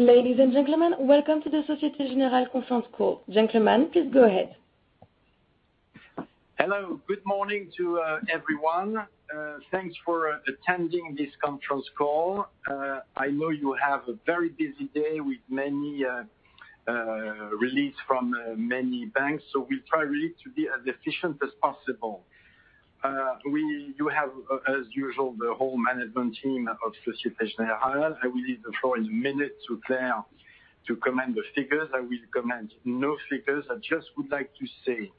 Ladies and gentlemen, welcome to the Société Générale conference call. Gentlemen, please go ahead. Hello. Good morning to everyone. Thanks for attending this conference call. I know you have a very busy day with many releases from many banks, so we'll try really to be as efficient as possible. You have, as usual, the whole management team of Société Générale. I will leave the floor in a minute to Claire to comment the figures. I will comment no figures. I just would like to say,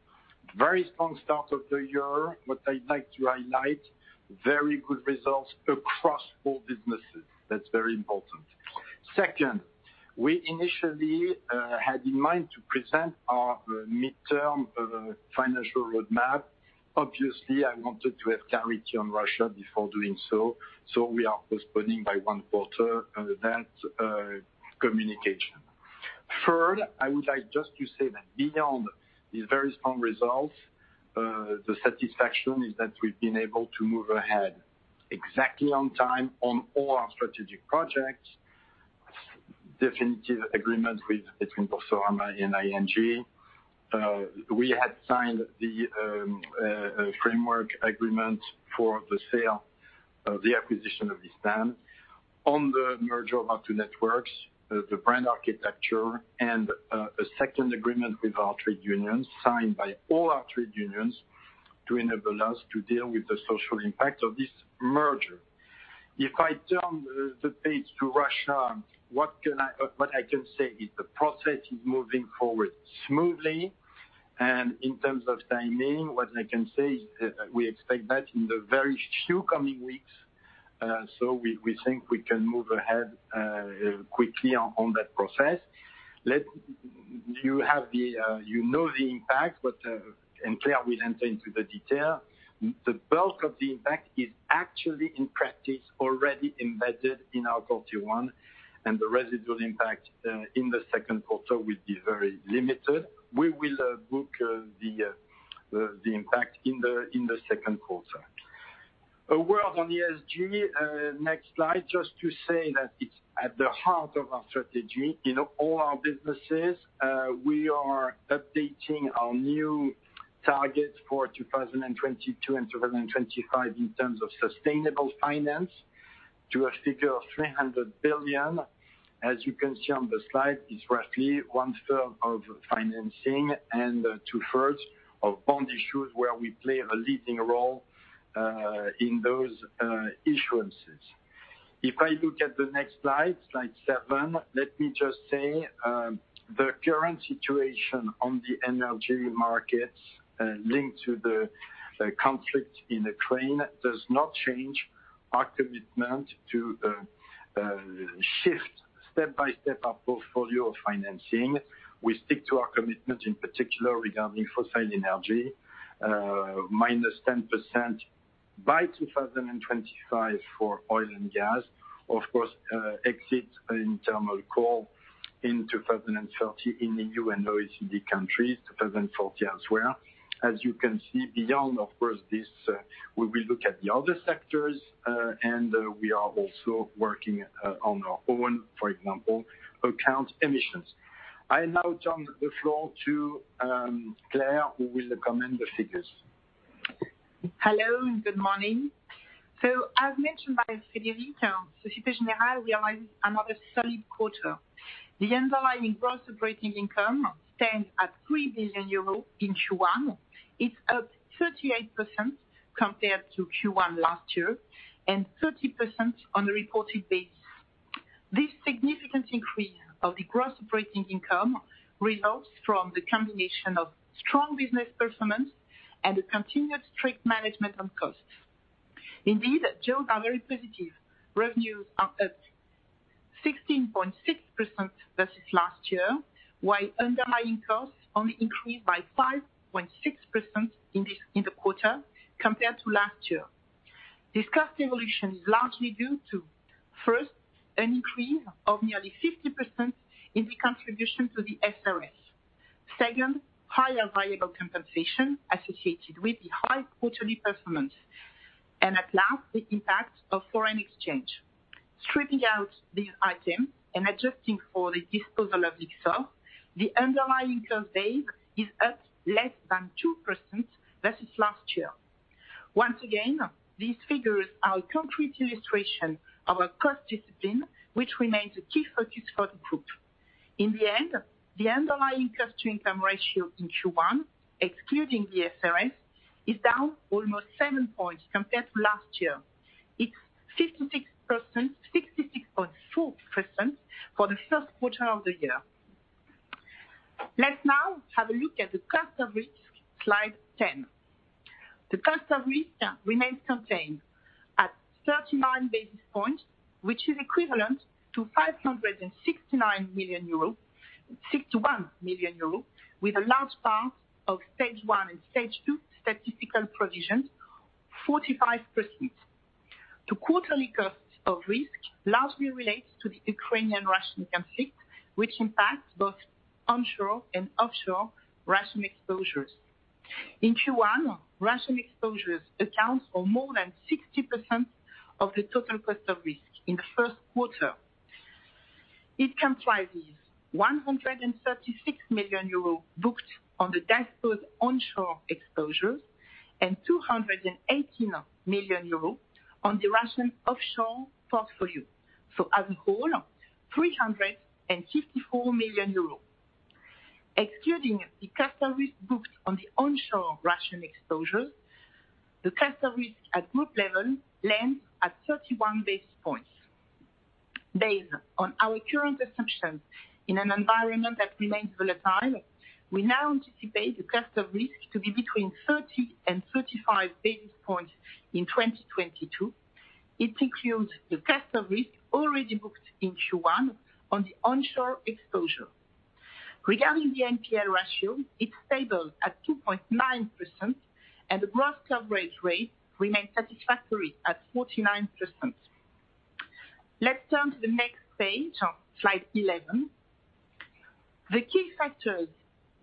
very strong start of the year. What I'd like to highlight, very good results across all businesses. That's very important. Second, we initially had in mind to present our midterm financial roadmap. Obviously, I wanted to have clarity on Russia before doing so we are postponing by one quarter that communication. Third, I would like just to say that beyond these very strong results, the satisfaction is that we've been able to move ahead exactly on time on all our strategic projects. Definitive agreement between Boursorama and ING. We had signed the framework agreement for the sale of the acquisition of Rosbank. On the merger of our two networks, the brand architecture and a second agreement with our trade unions, signed by all our trade unions to enable us to deal with the social impact of this merger. If I turn the page to Russia, what I can say is the process is moving forward smoothly. In terms of timing, what I can say is, we expect that in the very few coming weeks. We think we can move ahead quickly on that process. Let you have the. You know the impact, but and Claire will enter into the detail. The bulk of the impact is actually, in practice, already embedded in our quarter one, and the residual impact in the second quarter will be very limited. We will book the impact in the second quarter. A word on the ESG, next slide, just to say that it's at the heart of our strategy. In all our businesses, we are updating our new targets for 2022 and 2025 in terms of sustainable finance to a figure of 300 billion. As you can see on the slide, it's roughly 1/3 of financing and 2/3 of bond issues where we play a leading role in those issuances. If I look at the next slide 7, let me just say the current situation on the energy market linked to the conflict in Ukraine does not change our commitment to shift step by step our portfolio of financing. We stick to our commitment, in particular regarding fossil energy, -10% by 2025 for oil and gas. Of course, exit in thermal coal in 2030 in the OECD countries, 2040 elsewhere. As you can see beyond this, of course, where we look at the other sectors and we are also working on our own, for example, carbon emissions. I now turn the floor to, Claire, who will comment the figures. Hello, good morning. As mentioned by Frédéric Oudéa, Société Générale realized another solid quarter. The underlying gross operating income stands at 3 billion euros in Q1. It's up 38% compared to Q1 last year, and 30% on a reported basis. This significant increase of the gross operating income results from the combination of strong business performance and a continued strict management on costs. Indeed, yields are very positive. Revenues are up 16.6% versus last year, while underlying costs only increased by 5.6% in the quarter compared to last year. This cost evolution is largely due to, first, an increase of nearly 50% in the contribution to the SRF. Second, higher variable compensation associated with the high quarterly performance. Lastly, the impact of foreign exchange. Stripping out these items and adjusting for the disposal of Lyxor, the underlying cost base is up less than 2% versus last year. Once again, these figures are a concrete illustration of our cost discipline, which remains a key focus for the group. In the end, the underlying cost-to-income ratio in Q1, excluding theSRF, is down almost seven points points compared to last year. It's 56%, 66.4% for the first quarter of the year. Let's now have a look at the cost of risk, slide ten. The cost of risk remains contained at thirty-nine basis points, which is equivalent to 569 million euros, 61 million euros, with a large part of stage one and stage two statistical provisions, 45%. The quarterly cost of risk largely relates to the Ukrainian-Russian conflict, which impacts both onshore and offshore Russian exposures. In Q1, Russian exposures accounts for more than 60% of the total cost of risk in the first quarter. It comprises 136 million euros booked on the disposed onshore exposures, and 218 million euros on the Russian offshore portfolio. As a whole, 354 million euros. Excluding the cost of risk booked on the onshore Russian exposure, the cost of risk at group level lands at 31 basis points. Based on our current assumptions in an environment that remains volatile, we now anticipate the cost of risk to be between 30 and 35 basis points in 2022. It includes the cost of risk already booked in Q1 on the onshore exposure. Regarding the NPL ratio, it's stable at 2.9%, and the gross coverage rate remains satisfactory at 49%. Let's turn to the next page, slide 11. The key factors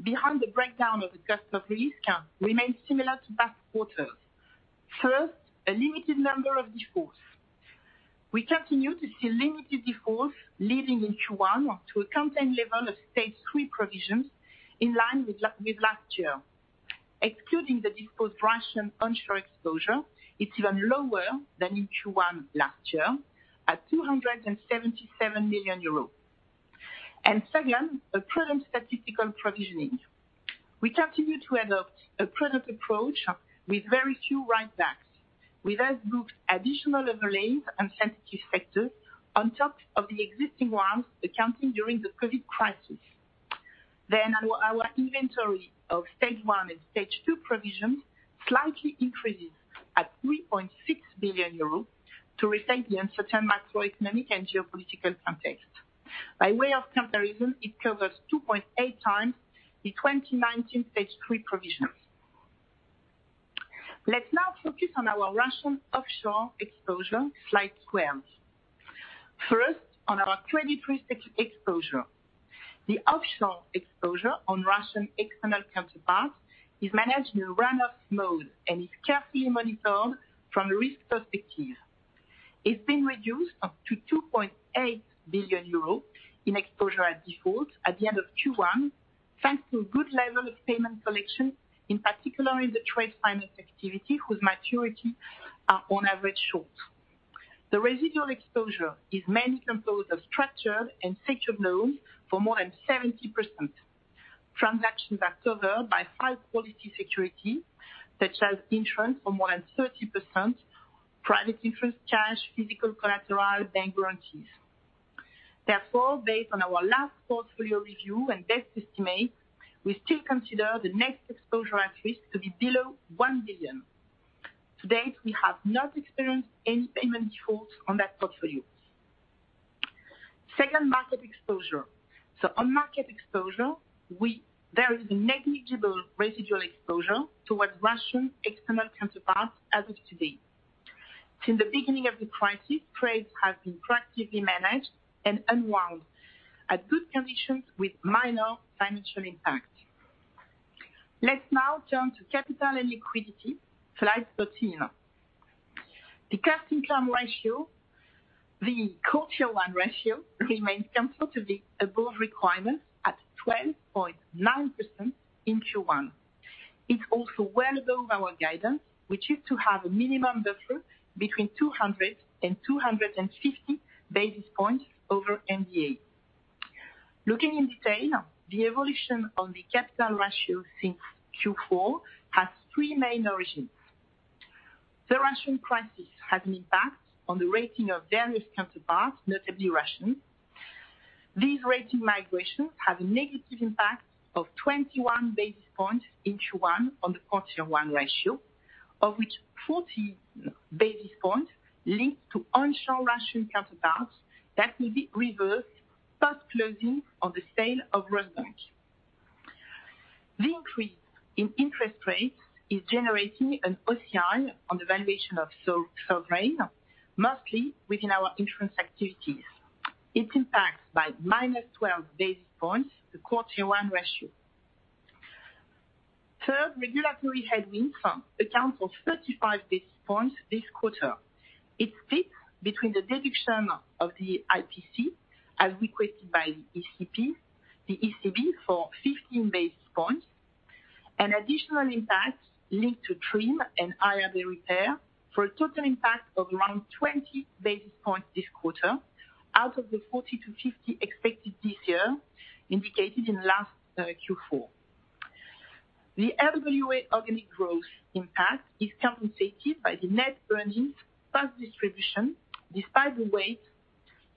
behind the breakdown of the cost of risk count remain similar to past quarters. First, a limited number of defaults. We continue to see limited defaults leading in Q1 to an accounting level of stage three provisions in line with with last year. Excluding the disposed Russian onshore exposure, it's even lower than in Q1 last year at 277 million euros. Second, a prudent statistical provisioning. We continue to adopt a prudent approach with very few write-backs. We thus book additional overlays and sensitivity factors on top of the existing ones accounting during the COVID crisis. Our inventory of stage one and stage two provisions slightly increases at 3.6 billion euros to reflect the uncertain macroeconomic and geopolitical context. By way of comparison, it covers 2.8 times the 2019 stage three provisions. Let's now focus on our Russian offshore exposure, slide 12. First, on our credit risk exposure. The offshore exposure on Russian external counterparts is managed in run-off mode and is carefully monitored from a risk perspective. It's been reduced up to 2.8 billion euros in exposure at default at the end of Q1, thanks to a good level of payment collection, in particular in the trade finance activity, whose maturity are on average short. The residual exposure is mainly composed of structured and sector loans for more than 70%. Transactions are covered by high-quality security, such as insurance for more than 30%, private interest charge, physical collateral, bank guarantees. Therefore, based on our last portfolio review and best estimate, we still consider the net exposure at risk to be below 1 billion. To date, we have not experienced any payment defaults on that portfolio. Second market exposure. On market exposure, there is negligible residual exposure towards Russian external counterparties as of today. Since the beginning of the crisis, trades have been proactively managed and unwound at good conditions with minor financial impact. Let's now turn to capital and liquidity, slide 13. The cost-income ratio, the Q1 ratio remains comfortably above requirements at 12.9% in Q1. It's also well above our guidance, which is to have a minimum buffer between 200 and 250 basis points over MVA. Looking in detail, the evolution on the capital ratio since Q4 has three main origins. The Russian crisis has impact on the rating of various counterparts, notably Russian. These rating migrations have a negative impact of 21 basis points in Q1 on the quarter one ratio, of which 14 basis points linked to onshore Russian counterparts that will be reversed post-closing of the sale of Rosbank. The increase in interest rates is generating an OCI on the valuation of sovereign, mostly within our insurance activities. It impacts by -12 basis points the quarter one ratio. Third, regulatory headwinds account for 35 basis points this quarter. It fits between the deduction of the IPC as requested by the ECB, the ECB for 15 basis points. An additional impact linked to TRIM and IRB repair for a total impact of around 20 basis points this quarter out of the 40-50 expected this year, indicated in last Q4. The RWA organic growth impact is compensated by the net earnings plus distribution, despite the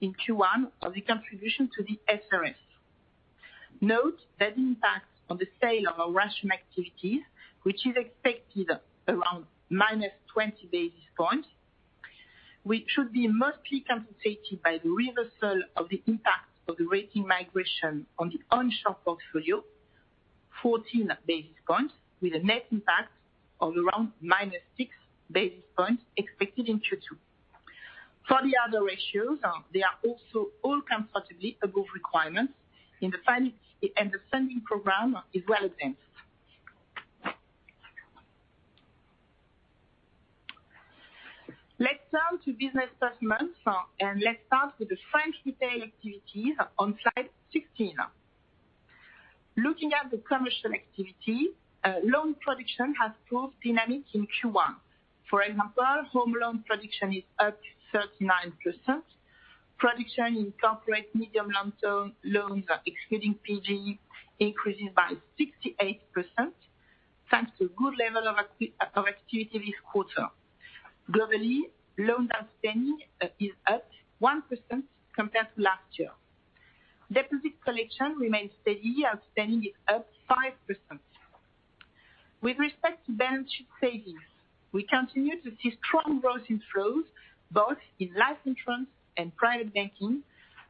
weight in Q1 of the contribution to the SRF. Note the impact on the sale of our Russian activities, which is expected around -20 basis points, which should be mostly compensated by the reversal of the impact of the rating migration on the onshore portfolio, 14 basis points, with a net impact of around -6 basis points expected in Q2. For the other ratios, they are also all comfortably above requirements, and the funding program is well advanced. Let's turn to business performance, and let's start with the French retail activities on slide 16. Looking at the commercial activity, loan production has proved dynamic in Q1. For example, home loan production is up 39%. Production in corporate medium long-term loans are excluding PGE increases by 68% thanks to good level of activity this quarter. Globally, loans outstanding is up 1% compared to last year. Deposit collection remains steady, standing up 5%. With respect to balance sheet savings, we continue to see strong growth in flows both in life insurance and private banking,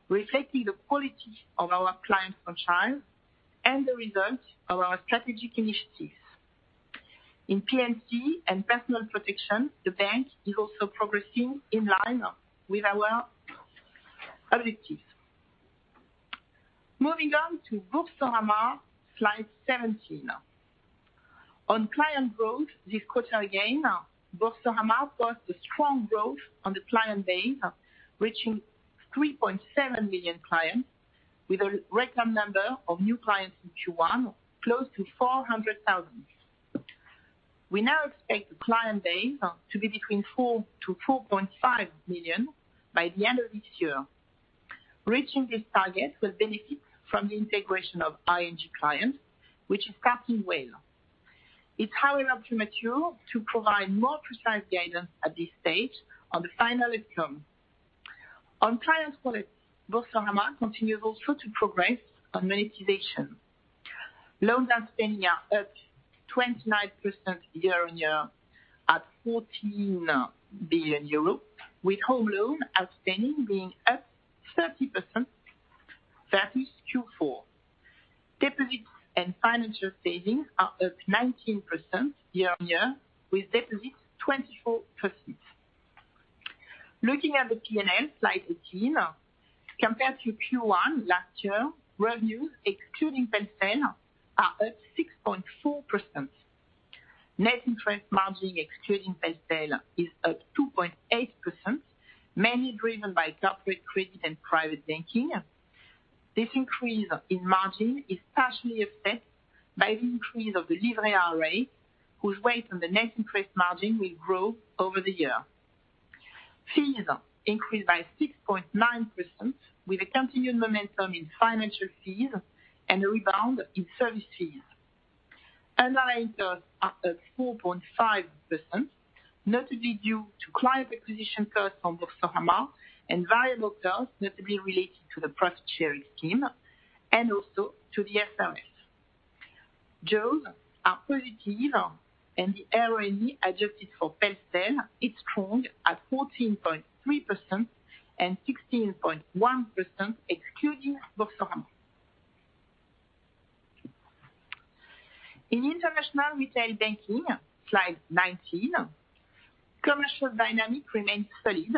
reflecting the quality of our client profile and the results of our strategic initiatives. In P&C and personal protection, the bank is also progressing in line with our objectives. Moving on to Boursorama, slide 17. On client growth this quarter again, Boursorama posts a strong growth on the client base, reaching 3.7 million clients with a record number of new clients in Q1, close to 400,000. We now expect the client base to be between 4-4.5 million by the end of this year. Reaching this target will benefit from the integration of ING clients, which is tracking well. It's however too premature to provide more precise guidance at this stage on the final outcome. On client quality, Boursorama continues also to progress on monetization. Loans outstanding are up 29% year-on-year at 14 billion euros, with home loan outstanding being up 30%, that is Q4. Deposits and financial savings are up 19% year-on-year, with deposits 24%. Looking at the P&L, slide 18. Compared to Q1 last year, revenues excluding PEL/CEL are up 6.4%. Net interest margin excluding PEL/CEL is up 2.8%, mainly driven by corporate credit and private banking. This increase in margin is partially affected by the increase of the Livret A rate, whose weight on the net interest margin will grow over the year. Fees increased by 6.9% with a continued momentum in financial fees and a rebound in service fees. Underlying costs are at 4.5%, notably due to client acquisition costs on Boursorama and variable costs notably related to the profit-sharing scheme and also to the SRF. Jaws are positive, and the ROE adjusted for PEL/CEL is strong at 14.3% and 16.1% excluding Boursorama. In international retail banking, slide 19, commercial dynamics remain solid.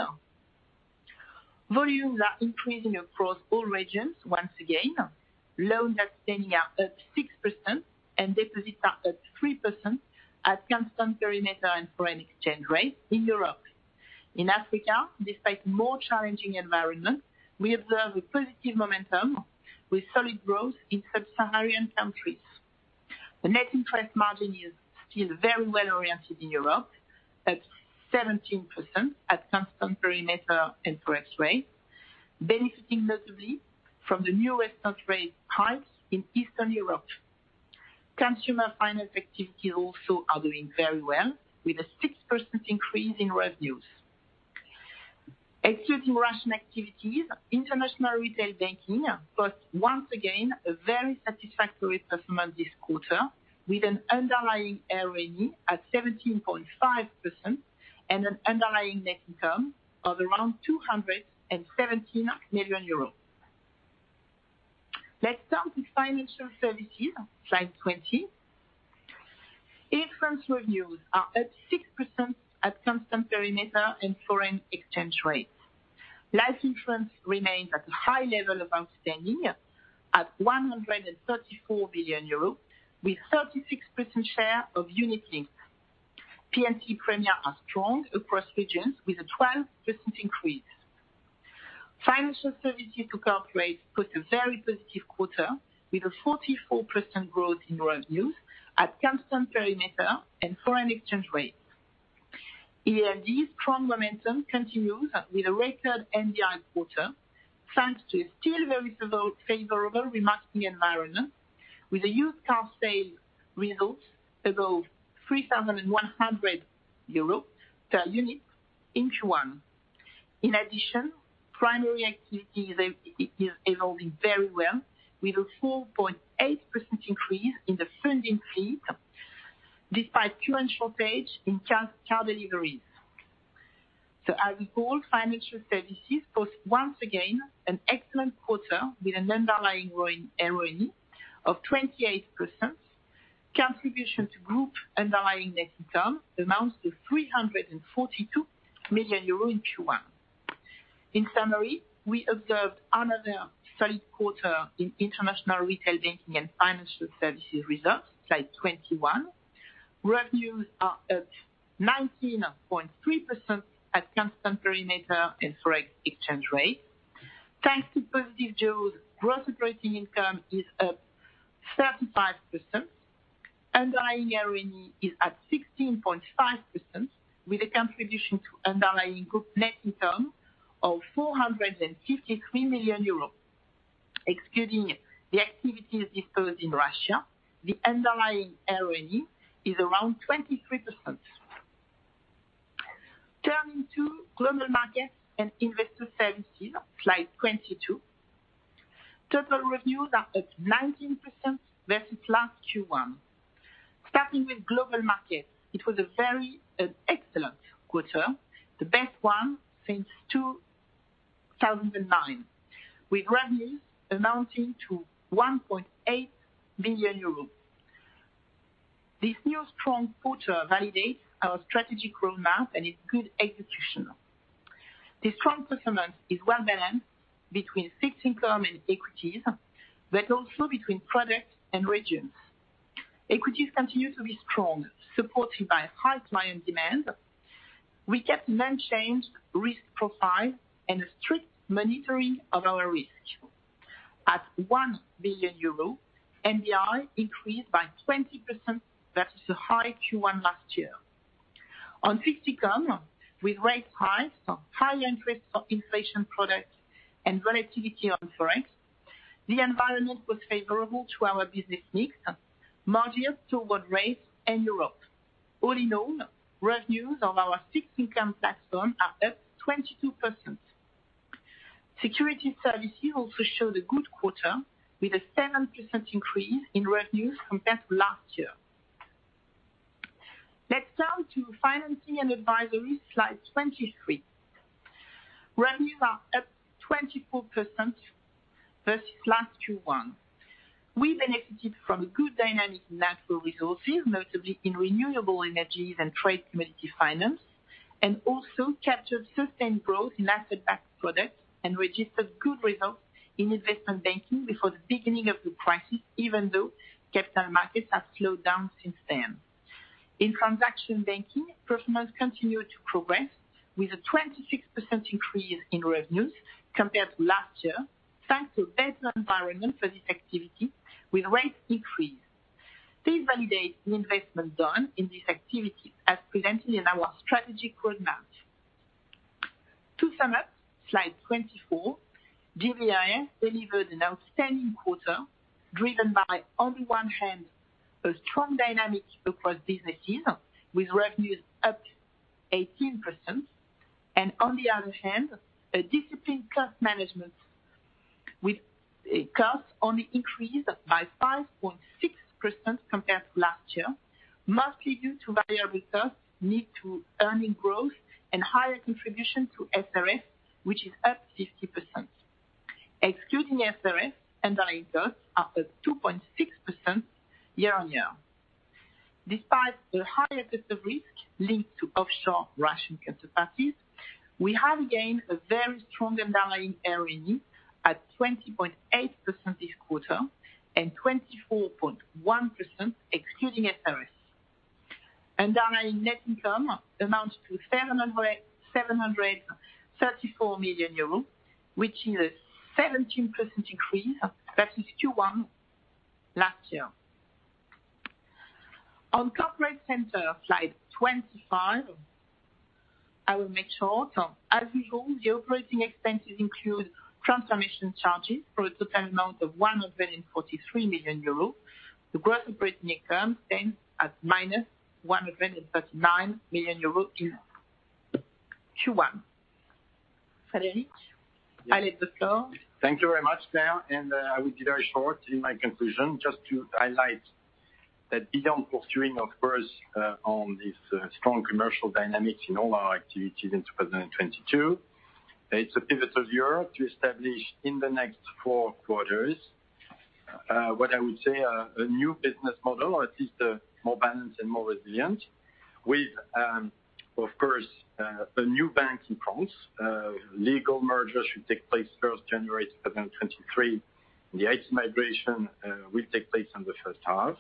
Volumes are increasing across all regions once again. Loans outstanding are up 6%, and deposits are up 3% at constant perimeter and foreign exchange rate in Europe. In Africa, despite more challenging environment, we observe a positive momentum with solid growth in sub-Saharan countries. The net interest margin is very well-oriented in Europe, at 17% at constant perimeter and forex rate, benefiting notably from the newest interest rate hikes in Eastern Europe. Consumer finance activity also are doing very well, with a 6% increase in revenues. Excluding Russian activities, international retail banking posts once again a very satisfactory performance this quarter, with an underlying ROE at 17.5% and an underlying net income of around 217 million euros. Let's turn to financial services, slide 20. Insurance revenues are up 6% at constant perimeter and foreign exchange rates. Life insurance remains at a high level of outstanding at 134 billion euros with 36% share of unit links. P&C premiums are strong across regions with a 12% increase. Financial services to corporate posts a very positive quarter with a 44% growth in revenues at constant perimeter and foreign exchange rates. ALD's strong momentum continues with a record NBI quarter, thanks to a still very favorable remarketing environment with a used car sale results above 3,100 euros per unit in Q1. In addition, primary activity is evolving very well with a 4.8% increase in the funding fee, despite current shortage in car deliveries. Boursorama financial services posted once again an excellent quarter with an underlying growing ROE of 28%. Contribution to group underlying net income amounts to 342 million euros in Q1. In summary, we observed another solid quarter in international retail banking and financial services results, slide 21. Revenues are up 19.3% at constant perimeter and foreign exchange rate. Thanks to positive yield, gross operating income is up 35%. Underlying RONE is at 16.5% with a contribution to underlying group net income of 453 million euros. Excluding the activities disposed in Russia, the underlying RONE is around 23%. Turning to global markets and investor services, slide 22. Total revenues are up 19% versus last Q1. Starting with global markets, it was a very excellent quarter, the best one since 2009, with revenues amounting to 1.8 billion euros. This new strong quarter validates our strategic roadmap and its good execution. This strong performance is well-balanced between fixed income and equities, but also between products and regions. Equities continue to be strong, supported by a high client demand. We kept an unchanged risk profile and a strict monitoring of our risk. At 1 billion euro, NBI increased by 20% versus a high Q1 last year. On fixed income, with rate hikes, high interest in inflation products and relatively on forex, the environment was favorable to our business mix, margins toward rates in Europe. All in all, revenues on our fixed income platform are up 22%. Security services also showed a good quarter, with a 7% increase in revenues compared to last year. Let's turn to financing and advisory, slide 23. Revenues are up 24% versus last Q1. We benefited from good dynamics in natural resources, notably in renewable energies and trade commodity finance, and also captured sustained growth in asset-backed products and registered good results in investment banking before the beginning of the crisis, even though capital markets have slowed down since then. In transaction banking, performance continued to progress with a 26% increase in revenues compared to last year, thanks to better environment for this activity with rate increase. This validates the investment done in this activity as presented in our strategic roadmap. To sum up, slide 24, GBIS delivered an outstanding quarter, driven by, on one hand, a strong dynamic across businesses with revenues up 18% and on the other hand, a disciplined cost management with costs only increased by 5.6% compared to last year, mostly due to higher regulatory needs and earnings growth and higher contribution to SRF, which is up 50%. Excluding SRF, underlying costs are up 2.6% year-on-year. Despite the higher cost of risk linked to offshore Russian counterparties, we have gained a very strong underlying ROE at 20.8% this quarter and 24.1% excluding SRF. Underlying net income amounts to 734 million euros, which is a 17% increase versus Q1 last year. On corporate center, slide 25. I will make it short. As usual, the operating expenses include transformation charges for a total amount of 143 million euros. The gross operating income stands at -139 million euros in Q1. Frédéric, Yes. Allez de l'avant. Thank you very much, Claire, and I will be very short in my conclusion just to highlight that beyond pursuing, of course, on this strong commercial dynamics in all our activities in 2022, it's a pivotal year to establish in the next four quarters what I would say a new business model or at least more balanced and more resilient with, of course, the new bank in France. Legal merger should take place January 1, 2023. The IT migration will take place in the first half.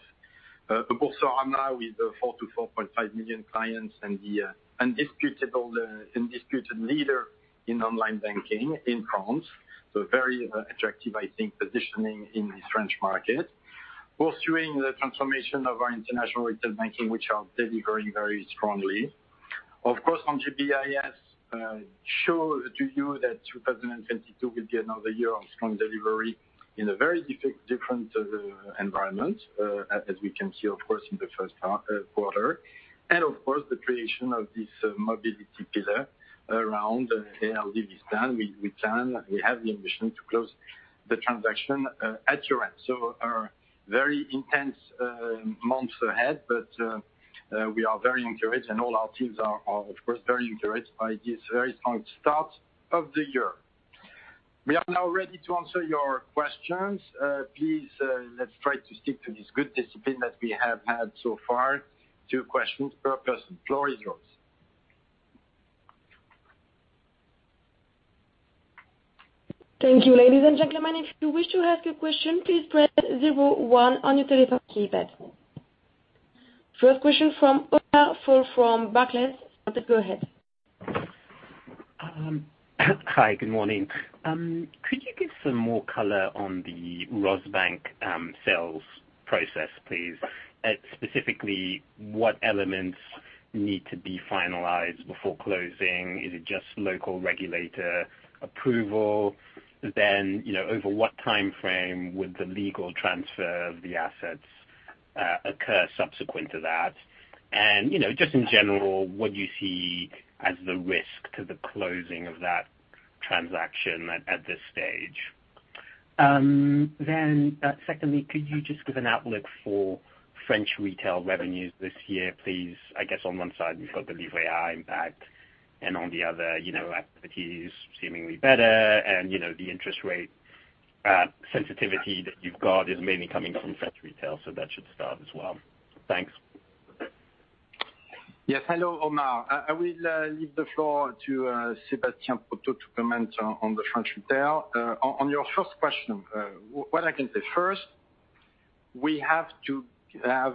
Also Boursorama with 4 to 4.5 million clients and the undisputed leader in online banking in France. Very attractive, I think, positioning in this French market. Pursuing the transformation of our international retail banking, which are delivering very strongly. Of course, on GBIS, show to you that 2022 will be another year of strong delivery in a very different environment, as we can see, of course, in the first quarter. Of course, the creation of this mobility pillar around ALD Automotive. We have the ambition to close the transaction at year-end. Very intense months ahead, but we are very encouraged, and all our teams are, of course, very encouraged by this very strong start of the year. We are now ready to answer your questions. Please, let's try to stick to this good discipline that we have had so far. Two questions per person. Floor is yours. Thank you. Ladies and gentlemen, if you wish to ask a question, please press zero one on your telephone keypad. First question from Omar Fall from Barclays. Please go ahead. Hi, good morning. Could you give some more color on the Rosbank sales process, please? Specifically what elements need to be finalized before closing? Is it just local regulator approval? You know, over what time frame would the legal transfer of the assets occur subsequent to that? You know, just in general, what do you see as the risk to the closing of that transaction at this stage? Secondly, could you just give an outlook for French retail revenues this year, please? I guess on one side you've got the Livret A impact, and on the other, you know, activity is seemingly better and, you know, the interest rate sensitivity that you've got is mainly coming from French retail, so that should start as well. Thanks. Yes. Hello, Omar. I will leave the floor to Sébastien Proto to comment on the French retail. On your first question, what I can say first, we have to have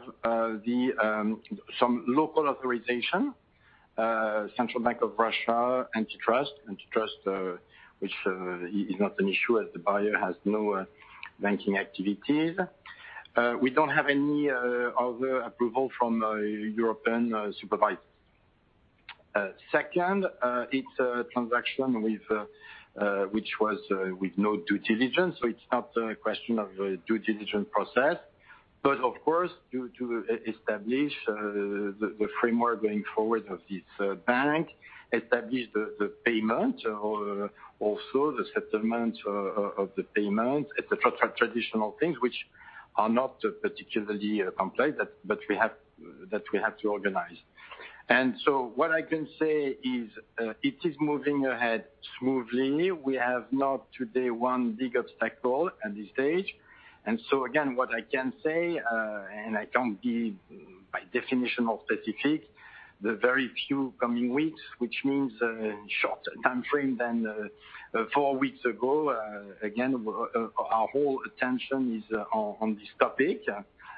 some local authorization, Central Bank of Russia, antitrust, which is not an issue as the buyer has no banking activities. We don't have any other approval from European supervisors. Second, it's a transaction which was with no due diligence, so it's not a question of a due diligence process. Of course to establish the framework going forward of this bank, establish the payment, also the settlement of the payment, it's the traditional things which are not particularly complex that we have to organize. What I can say is, it is moving ahead smoothly. We have not today one big obstacle at this stage. What I can say, and I can't be by definition more specific, the very few coming weeks, which means, short time frame than, four weeks ago, again, our whole attention is on this topic.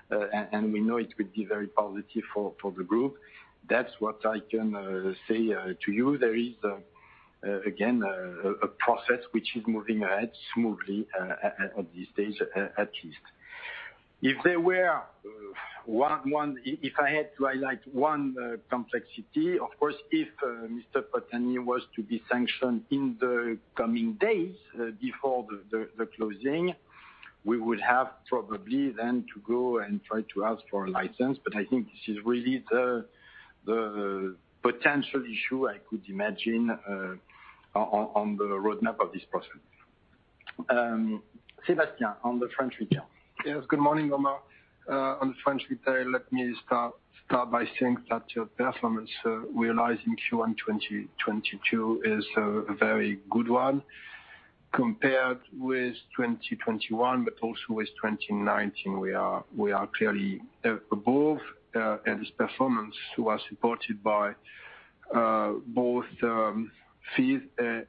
We know it could be very positive for the group. That's what I can say to you. There is again a process which is moving ahead smoothly at this stage at least. If there were one. If I had to highlight one complexity, of course, if Mr. Potanin was to be sanctioned in the coming days before the closing. We would have probably then to go and try to ask for a license. I think this is really the potential issue I could imagine on the roadmap of this process. Sébastien, on the French retail. Yes, good morning, Omar. On the French retail, let me start by saying that your performance realized in Q1 2022 is a very good one compared with 2021, but also with 2019. We are clearly above in this performance who are supported by both fees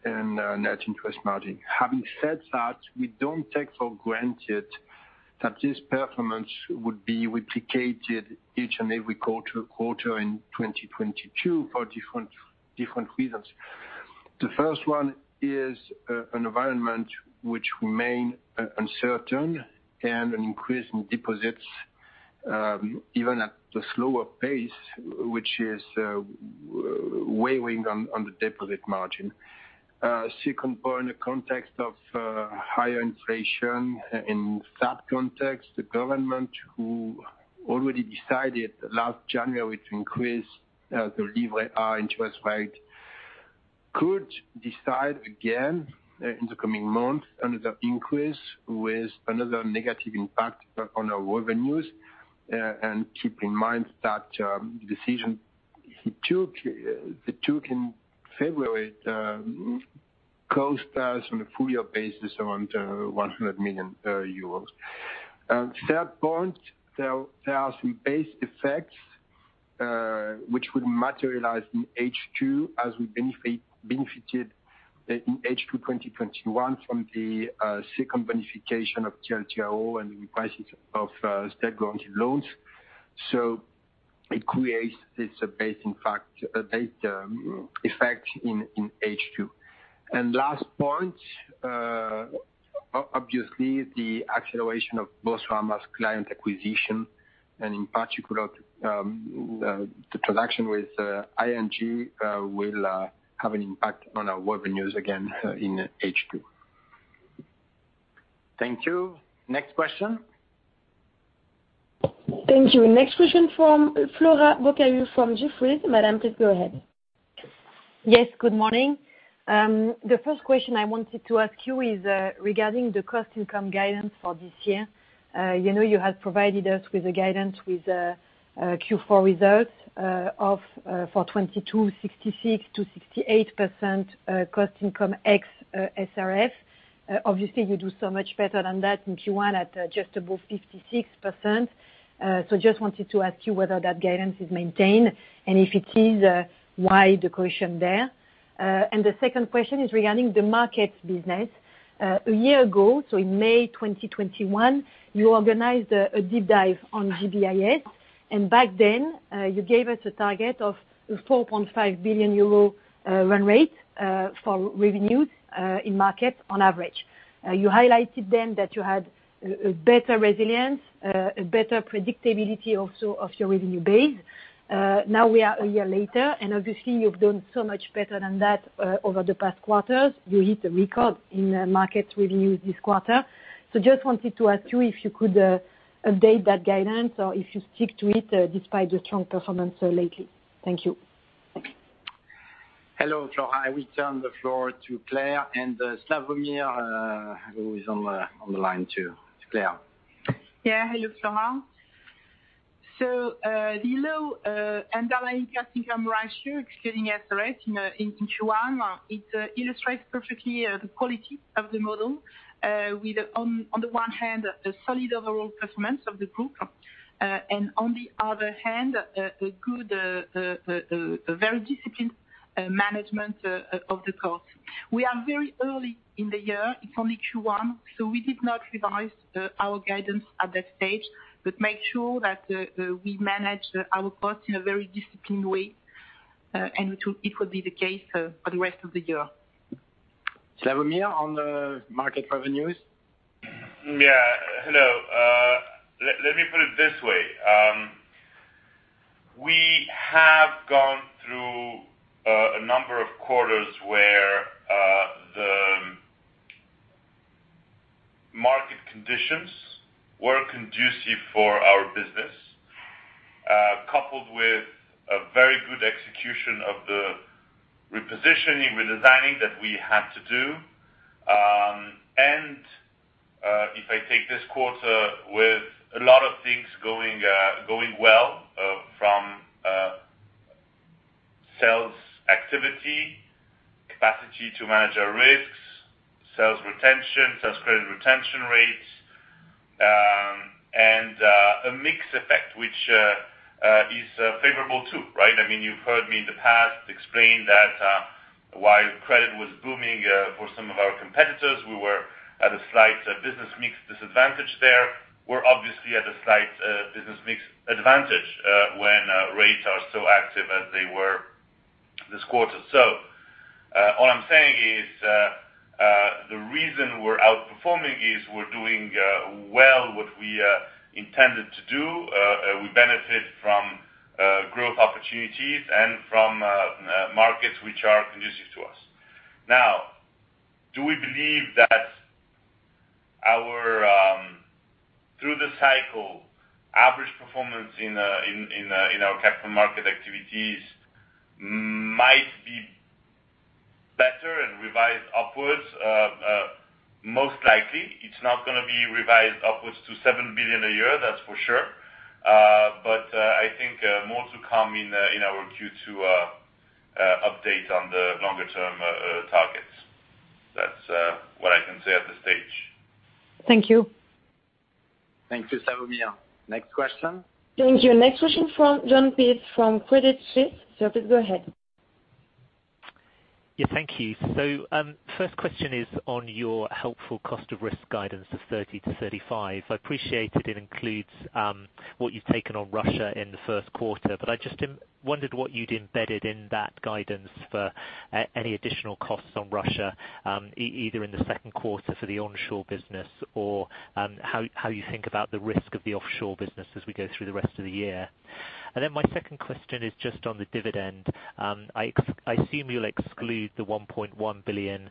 and net interest margin. Having said that, we don't take for granted that this performance would be replicated each and every quarter in 2022 for different reasons. The first one is an environment which remain uncertain and an increase in deposits even at a slower pace, which is weighing on the deposit margin. Second point, in the context of higher inflation, in that context, the government, who already decided last January to increase the Livret A interest rate, could decide again in the coming months another increase with another negative impact on our revenues. Keep in mind that the decision he took in February cost us on a full year basis around 100 million euros. Third point, there are some base effects which would materialize in H2 as we benefited in H2 2021 from the second bonification of TLTRO and the repurchase of state-guaranteed loans. It creates this base effect in H2. Last point, obviously the acceleration of Boursorama's client acquisition and in particular, the transaction with ING will have an impact on our revenues again in H2. Thank you. Next question? Thank you. Next question from Flora Bocahut from Jefferies. Madam, please go ahead. Yes. Good morning. The first question I wanted to ask you is regarding the cost income guidance for this year. You know you have provided us with the guidance with Q4 results for 2022, 66%-68% cost income ex SRF. Obviously you do so much better than that in Q1 at just above 56%. Just wanted to ask you whether that guidance is maintained, and if it is, why the caution there? The second question is regarding the market business. A year ago, so in May 2021, you organized a deep dive on GBIS, and back then, you gave us a target of a 4.5 billion euro run rate for revenues in market on average. You highlighted then that you had better resilience, a better predictability also of your revenue base. Now we are a year later, and obviously you've done so much better than that over the past quarters. You hit a record in the market review this quarter. Just wanted to ask you if you could update that guidance or if you stick to it despite the strong performance lately. Thank you. Hello, Flora. I will turn the floor to Claire and, Slawomir, who is on the line too. To Claire. Yeah. Hello, Flora. The low underlying cost income ratio excluding SRF in Q1 illustrates perfectly the quality of the model with on the one hand, the solid overall performance of the group. On the other hand, a very disciplined management of the costs. We are very early in the year, it's only Q1, so we did not revise our guidance at that stage, but make sure that we manage our costs in a very disciplined way, and it will be the case for the rest of the year. Slawomir, on the market revenues. Yeah. Hello. Let me put it this way. We have gone through a number of quarters where the market conditions were conducive for our business, coupled with a very good execution of the repositioning, redesigning that we had to do. If I take this quarter with a lot of things going well from sales activity, capacity to manage our risks, sales retention, sales credit retention rates, and a mix effect which is favorable too, right? I mean, you've heard me in the past explain that while credit was booming for some of our competitors, we were at a slight business mix disadvantage there. We're obviously at a slight business mix advantage when rates are so active as they were this quarter. All I'm saying is the reason we're outperforming is we're doing well what we intended to do. We benefit from growth opportunities and from markets which are conducive to us. Now, do we believe that our through the cycle average performance in our capital market activities might be better and revised upwards? Most likely. It's not gonna be revised upwards to 7 billion a year, that's for sure. I think more to come in our Q2 update on the longer term targets. That's what I can say at this stage. Thank you. Thank you, Slawomir. Next question. Thank you. Next question from Jon Peace from Credit Suisse. Sir, please go ahead. Yeah, thank you. First question is on your helpful cost of risk guidance of 30-35. I appreciate it includes what you've taken on Russia in the first quarter, but I just wondered what you'd embedded in that guidance for any additional costs on Russia, either in the second quarter for the onshore business or, how you think about the risk of the offshore business as we go through the rest of the year. My second question is just on the dividend. I assume you'll exclude the 1.1 billion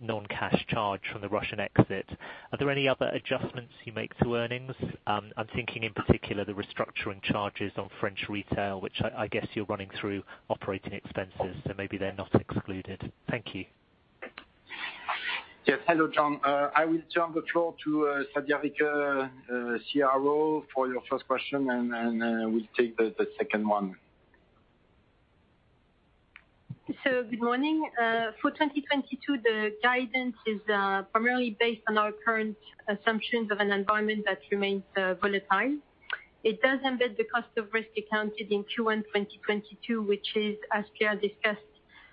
non-cash charge from the Russian exit. Are there any other adjustments you make to earnings? I'm thinking in particular the restructuring charges on French retail, which I guess you're running through operating expenses, so maybe they're not excluded. Thank you. Yes. Hello, John. I will turn the floor to Sadia Ricke, CRO, for your first question, and we'll take the second one. Good morning. For 2022, the guidance is primarily based on our current assumptions of an environment that remains volatile. It does embed the cost of risk accounted in Q1 2022, which is, as Claire discussed,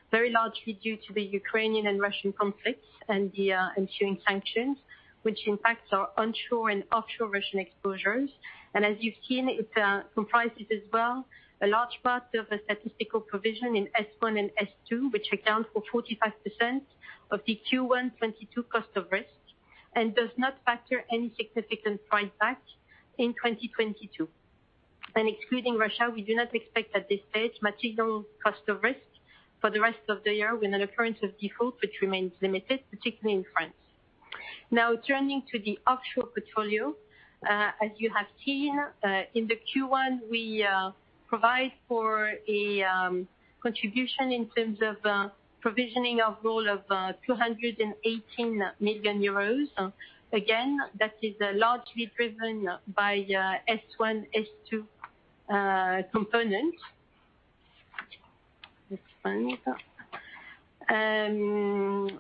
very largely due to the Ukrainian and Russian conflicts and the ensuing sanctions, which impacts our onshore and offshore Russian exposures. As you've seen, it comprises as well a large part of the statistical provision in stage 1 and stage 2, which account for 45% of the Q1 2022 cost of risk, and does not factor any significant write-back in 2022. Excluding Russia, we do not expect at this stage material cost of risk for the rest of the year with an occurrence of default which remains limited, particularly in France. Now turning to the offshore portfolio, as you have seen, in the Q1, we provide for a contribution in terms of provisioning of 218 million euros. Again, that is largely driven by S1, S2 components. Next one.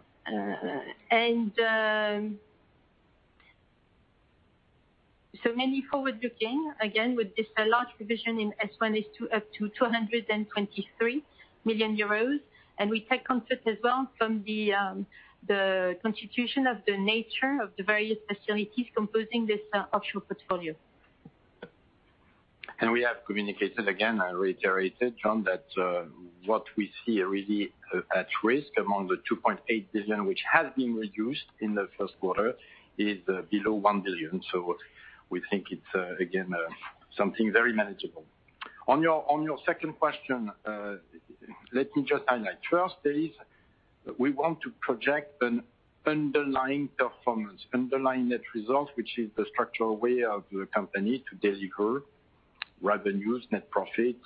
Maybe forward looking, again, with this, a large provision in S1 is up to 223 million euros, and we take comfort as well from the constitution of the nature of the various facilities composing this offshore portfolio. We have communicated again, I reiterated, John, that what we see really at risk among the 2.8 billion, which has been reduced in the first quarter, is below 1 billion. We think it's again something very manageable. On your second question, let me just highlight. First, we want to project an underlying performance, underlying net results, which is the structural way of the company to deliver revenues, net profit,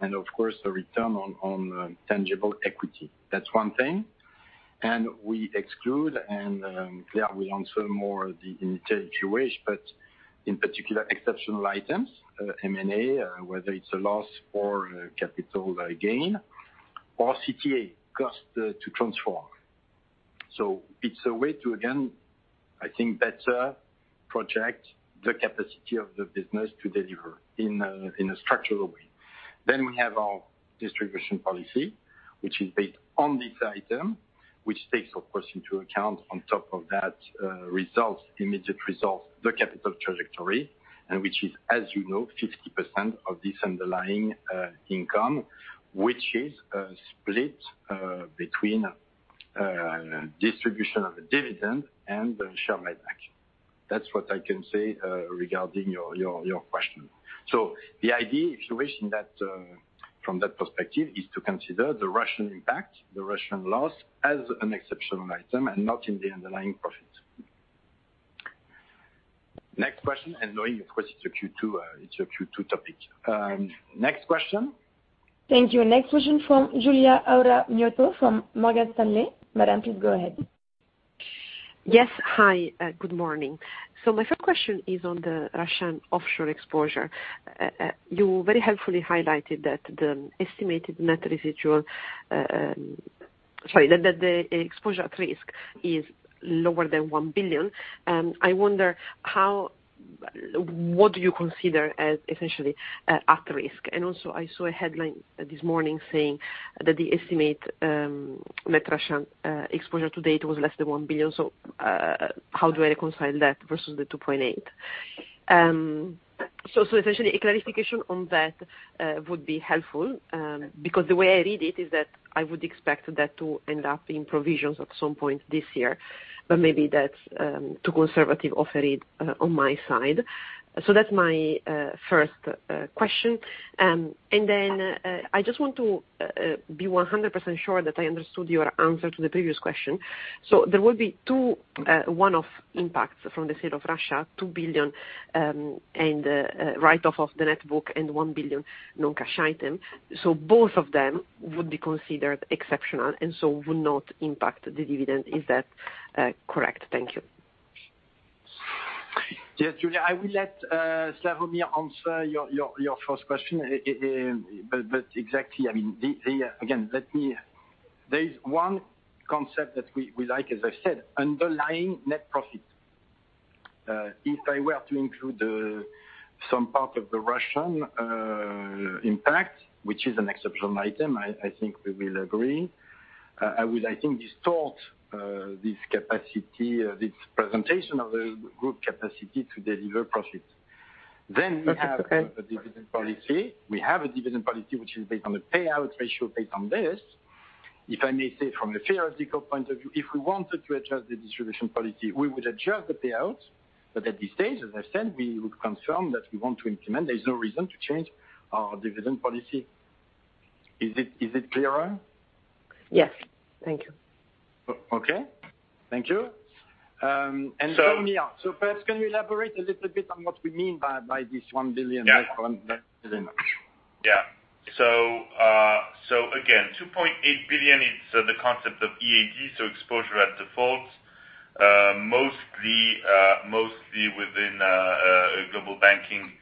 and of course, the return on tangible equity. That's one thing. We exclude and we answer more the intuition wish, but in particular, exceptional items, M&A, whether it's a loss or a capital gain, or CTA, cost to transform. It's a way to again, I think, better project the capacity of the business to deliver in a structural way. We have our distribution policy, which is based on this item, which takes, of course, into account on top of that, results, immediate results, the capital trajectory, and which is, as you know, 50% of this underlying income, which is split between distribution of the dividend and share buyback. That's what I can say regarding your question. The idea, if you wish, in that from that perspective is to consider the Russian impact, the Russian loss as an exceptional item and not in the underlying profit. Next question, and knowing, of course, it's a Q2, it's a Q2 topic. Next question. Thank you. Next question from Giulia Aurora Miotto from Morgan Stanley. Madam, please go ahead. Yes. Hi. Good morning. My first question is on the Russian offshore exposure. You very helpfully highlighted that the exposure at risk is lower than 1 billion. I wonder what you consider as essentially at risk. Also, I saw a headline this morning saying that the estimated net Russian exposure to date was less than 1 billion. How do I reconcile that versus the 2.8 billion? Essentially a clarification on that would be helpful because the way I read it is that I would expect that to end up in provisions at some point this year, but maybe that's too conservative of a read on my side. That's my first question. I just want to be 100% sure that I understood your answer to the previous question. There will be two one-off impacts from the sale of Russia, 2 billion, and write-off of the net book and 1 billion non-cash item. Both of them would be considered exceptional and so would not impact the dividend. Is that correct? Thank you. Yes, Giulia. I will let Slawomir answer your first question. Exactly, I mean, again. There is one concept that we like, as I said, underlying net profit. If I were to include some part of the Russian impact, which is an exceptional item, I think we will agree, I would distort this capacity, this presentation of the group capacity to deliver profit. We have Okay. A dividend policy. We have a dividend policy, which is based on the payout ratio based on this. If I may say from a theoretical point of view, if we wanted to adjust the distribution policy, we would adjust the payout. At this stage, as I said, we would confirm that we want to implement. There's no reason to change our dividend policy. Is it clearer? Yes. Thank you. Okay. Thank you, Slawomir. First, can you elaborate a little bit on what we mean by this 1 billion net current dividend? Yeah. Again, 2.8 billion is the concept of EAD, so Exposure at Default, mostly within global banking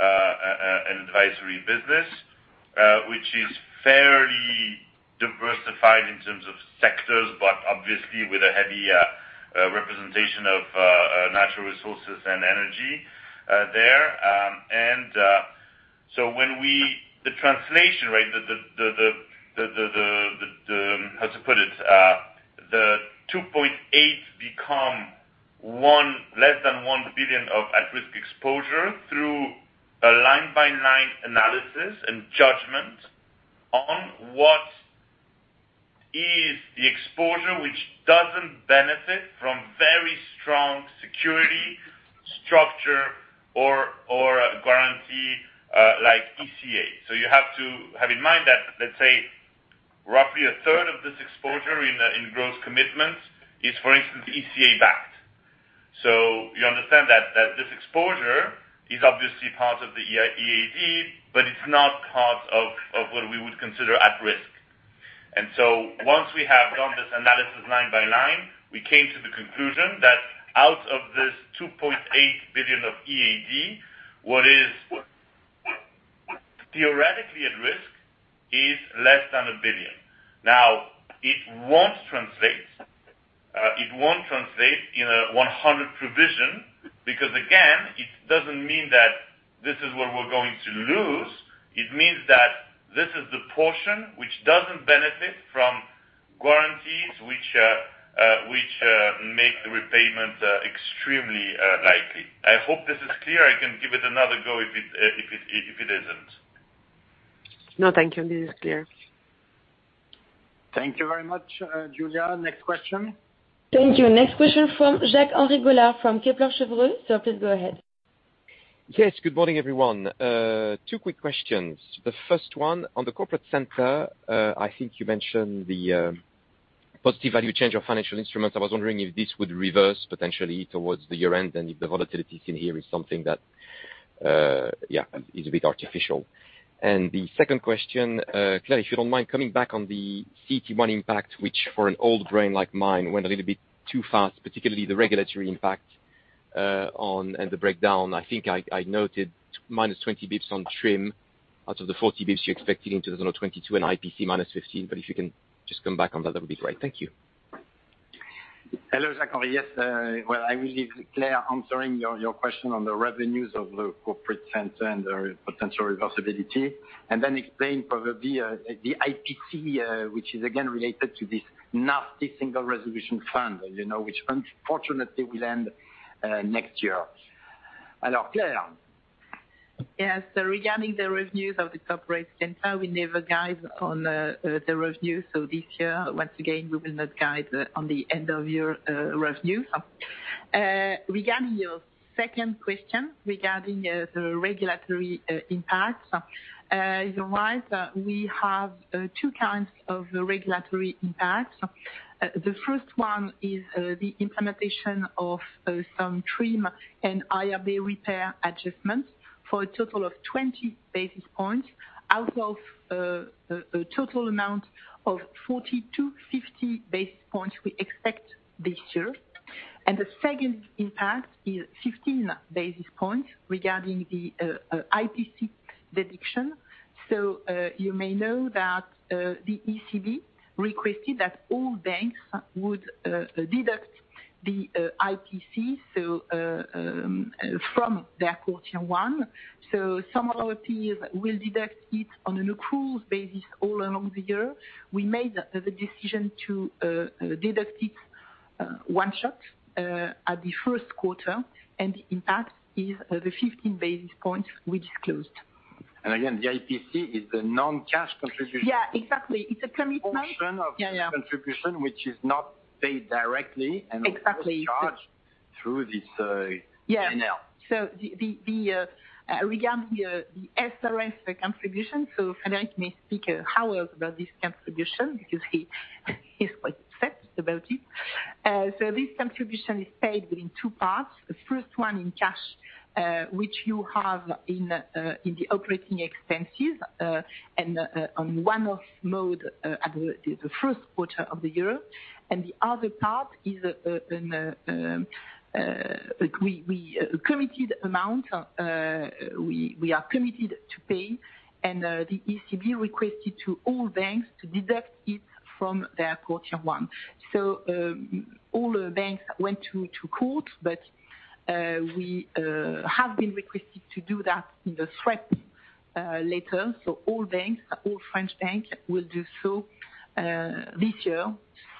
and advisory business, which is fairly diversified in terms of sectors, but obviously with a heavy representation of natural resources and energy there. The translation, right? How to put it? The 2.8 billion become less than 1 billion of at-risk exposure through a line-by-line analysis and judgment on what is the exposure which doesn't benefit from very strong security structure or guarantee, like ECA. You have to have in mind that, let's say, roughly a third of this exposure in gross commitments is, for instance, ECA-backed. You understand that this exposure is obviously part of the EAD, but it's not part of what we would consider at risk. Once we have done this analysis line by line, we came to the conclusion that out of this 2.8 billion of EAD, what is theoretically at risk is less than 1 billion. Now, it won't translate in a 100% provision because again, it doesn't mean that this is what we're going to lose. It means that this is the portion which doesn't benefit from guarantees which make the repayment extremely likely. I hope this is clear. I can give it another go if it isn't. No, thank you. This is clear. Thank you very much, Giulia. Next question. Thank you. Next question from Jacques-Henri Gaulard from Kepler Cheuvreux. Sir, please go ahead. Yes, good morning, everyone. Two quick questions. The first one on the corporate center, I think you mentioned the positive value change of financial instruments. I was wondering if this would reverse potentially towards the year-end and if the volatility seen here is something that is a bit artificial. The second question, Claire, if you don't mind coming back on the CET1 impact, which for an old brain like mine went a little bit too fast, particularly the regulatory impact and the breakdown. I noted -20 basis points on TRIM out of the 40 basis points you're expecting in 2022 and OCI -15. If you can just come back on that would be great. Thank you. Hello, Jacques-Henri. Yes, well, I will leave Claire answering your question on the revenues of the corporate center and the potential reversibility and then explain probably the IPC, which is again related to this nasty Single Resolution Fund, you know, which unfortunately will end next year. Now, Claire. Yes. Regarding the revenues of the corporate center, we never guide on the revenue. This year, once again, we will not guide on the end of year revenue. Regarding your second question regarding the regulatory impact, you're right. We have two kinds of regulatory impact. The first one is the implementation of some TRIM and IRB repair adjustments for a total of 20 basis points out of a total amount of 40 to 50 basis points we expect this year. The second impact is fifteen basis points regarding the IPC deduction. You may know that the ECB requested that all banks would deduct the IPC from their quarter one. Some of our peers will deduct it on an accruals basis all along the year. We made the decision to deduct it one shot at the first quarter, and the impact is the 15 basis points we disclosed. Again, the IPC is the non-cash contribution. Yeah, exactly. It's a commitment. A portion of- Yeah, yeah. The contribution which is not paid directly. Exactly. Charge through this, P&L. Yeah. Regarding the SRF contribution, Frédéric may speak hours about this contribution because he is quite obsessed about it. This contribution is paid within two parts. The first one in cash, which you have in the operating expenses, and on one-off mode, at the first quarter of the year. The other part is we committed amount, we are committed to pay and the ECB requested to all banks to deduct it from their quarter one. All the banks went to court, but we have been requested to do that in the SREP later. All banks, all French banks will do so this year.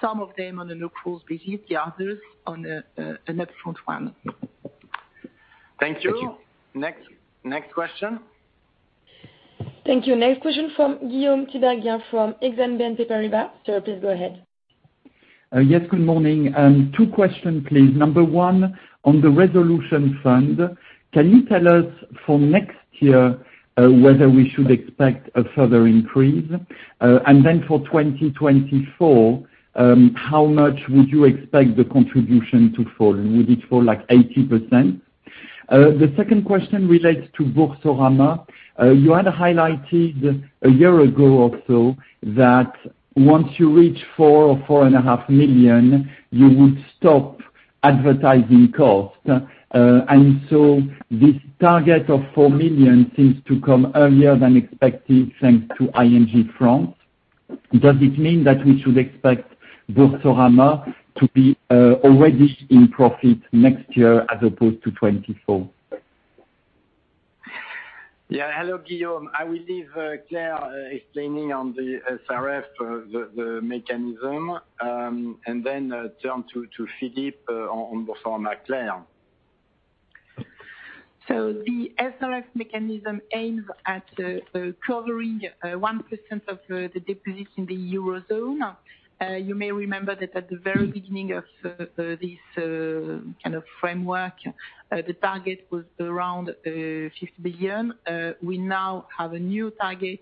Some of them on an accruals basis, the others on an upfront one. Thank you. Next question. Thank you. Next question from Guillaume Tchidjian from Exane BNP Paribas. Sir, please go ahead. Yes, good morning. Two questions, please. Number one, on the resolution fund, can you tell us for next year whether we should expect a further increase? Then for 2024, how much would you expect the contribution to fall? Would it fall like 80%? The second question relates to Boursorama. You had highlighted a year ago or so that once you reach 4 or 4.5 million, you would stop advertising costs. This target of 4 million seems to come earlier than expected thanks to ING France. Does it mean that we should expect Boursorama to be already in profit next year as opposed to 2024? Yeah. Hello, Guillaume. I will leave Claire explaining on the SRF, the mechanism, and then turn to Philippe on Boursorama. Claire. The SRF mechanism aims at covering 1% of the deposits in the Eurozone. You may remember that at the very beginning of this kind of framework, the target was around 50 billion. We now have a new target,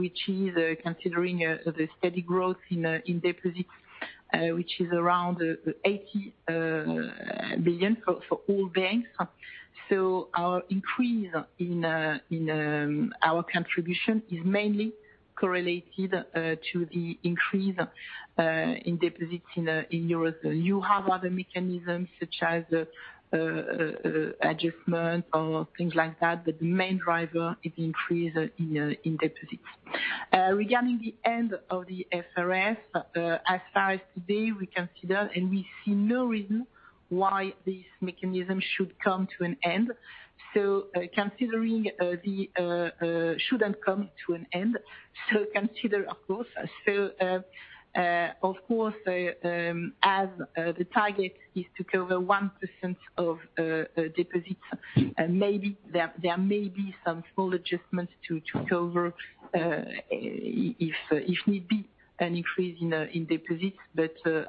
which is considering the steady growth in deposits, which is around 80 billion for all banks. Our increase in our contribution is mainly correlated to the increase in deposits in Eurozone. You have other mechanisms such as adjustment or things like that, but the main driver is increase in deposits. Regarding the end of the FRS, as far as today, we consider and we see no reason why this mechanism should come to an end. Considering the contribution shouldn't come to an end, consider of course. Of course, as the target is to cover 1% of deposits, maybe there may be some small adjustments to cover, if need be, an increase in deposits.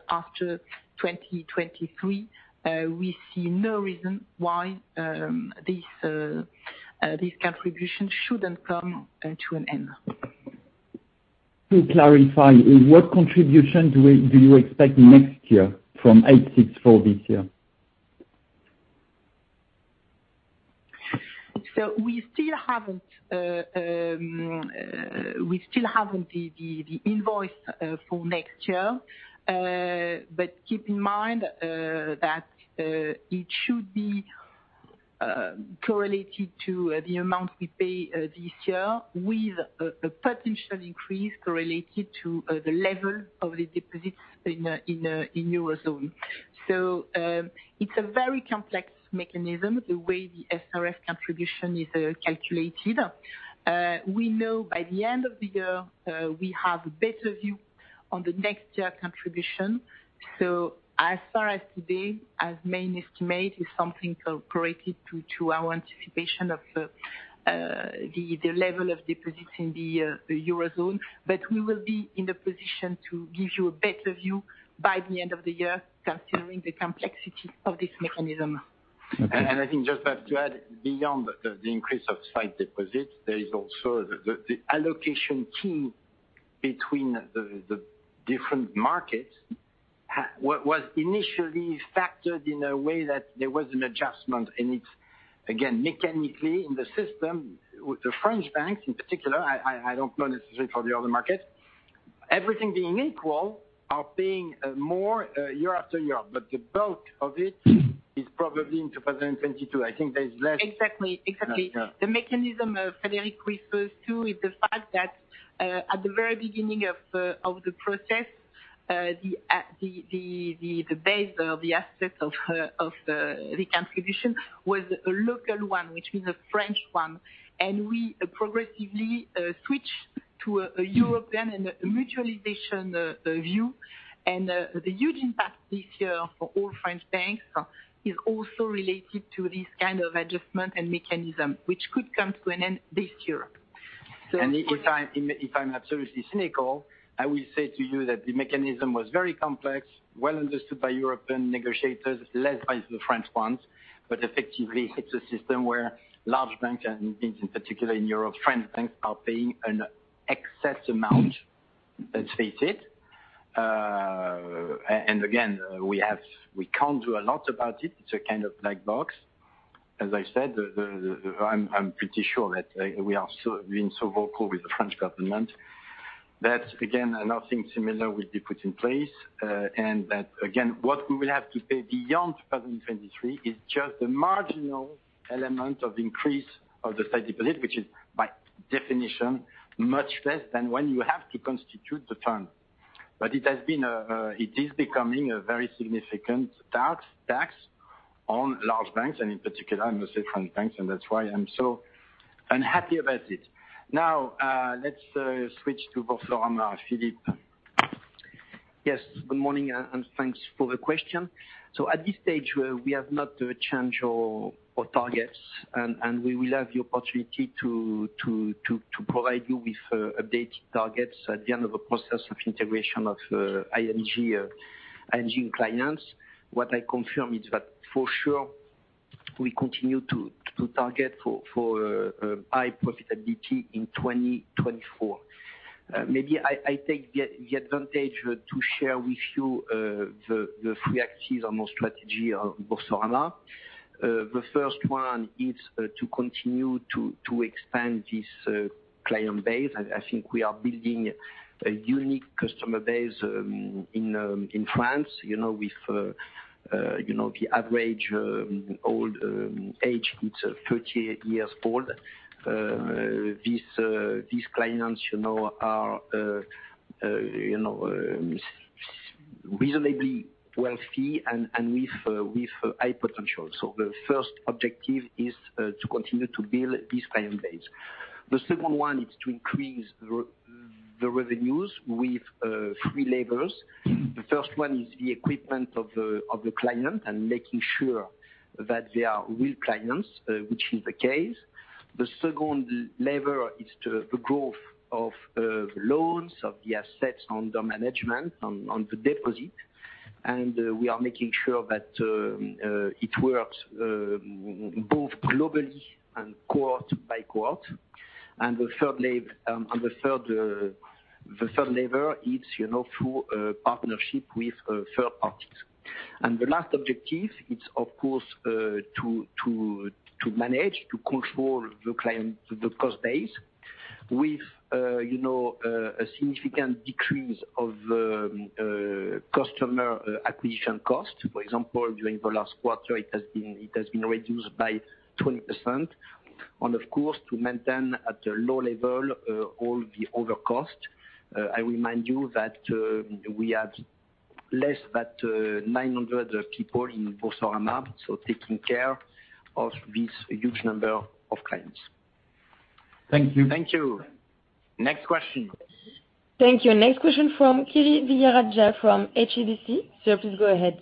After 2023, we see no reason why this contribution shouldn't come to an end. To clarify, what contribution do you expect next year from 864 this year? We still haven't the invoice for next year. Keep in mind that it should be correlated to the amount we pay this year with a potential increase correlated to the level of the deposits in Eurozone. It's a very complex mechanism, the way the SRF contribution is calculated. We know by the end of the year we have a better view on the next year contribution. As of today, our main estimate is something correlated to our anticipation of the level of deposits in the Eurozone. We will be in the position to give you a better view by the end of the year, considering the complexity of this mechanism. Okay. I think just have to add, beyond the increase of sight deposits, there is also the allocation key between the different markets was initially factored in a way that there was an adjustment. It's again mechanically in the system with the French banks in particular. I don't know necessarily for the other markets. Everything being equal are paying more year after year, but the bulk of it is probably in 2022. I think there's less. Exactly. Exactly. Yeah. The mechanism Frédéric refers to is the fact that at the very beginning of the process the base of the assets of the contribution was a local one, which means a French one. We progressively switched to a European and mutualization view. The huge impact this year for all French banks is also related to this kind of adjustment and mechanism, which could come to an end this year. If I'm absolutely cynical, I will say to you that the mechanism was very complex, well understood by European negotiators, less by the French ones, but effectively it's a system where large banks and in particular in Europe, French banks are paying an excess amount, let's face it. And again, we can't do a lot about it. It's a kind of black box. As I said, I'm pretty sure that we are being so vocal with the French government that again, nothing similar will be put in place. And that again, what we will have to pay beyond 2023 is just a marginal element of increase of the said deposit, which is by definition much less than when you have to constitute the fund. It is becoming a very significant tax on large banks and in particular, I must say, French banks, and that's why I'm so unhappy about it. Now, let's switch to Boursorama, Philippe. Yes, good morning and thanks for the question. At this stage, we have not changed our targets, and we will have the opportunity to provide you with updated targets at the end of the process of integration of ING clients. What I confirm is that for sure we continue to target for high profitability in 2024. Maybe I take the advantage to share with you the three axes on our strategy of Boursorama. The first one is to continue to expand this client base. I think we are building a unique customer base in France, you know, with the average age is 30 years old. These clients you know are you know reasonably wealthy and with high potential. The first objective is to continue to build this client base. The second one is to increase the revenues with three levers. The first one is the equipment of the client and making sure that they are real clients, which is the case. The second lever is to the growth of loans, of the assets under management on the deposit. We are making sure that it works both globally and cohort by cohort. The third lever is, you know, through a partnership with third parties. The last objective, it is of course to manage to control the cost base with, you know, a significant decrease of customer acquisition costs. For example, during the last quarter it has been reduced by 20%. Of course, to maintain at a low level all the other costs. I remind you that we had less than 900 people in Boursorama, so taking care of this huge number of clients. Thank you. Thank you. Next question. Thank you. Next question from Kirishanthan Vijayarajah from HSBC. Sir, please go ahead.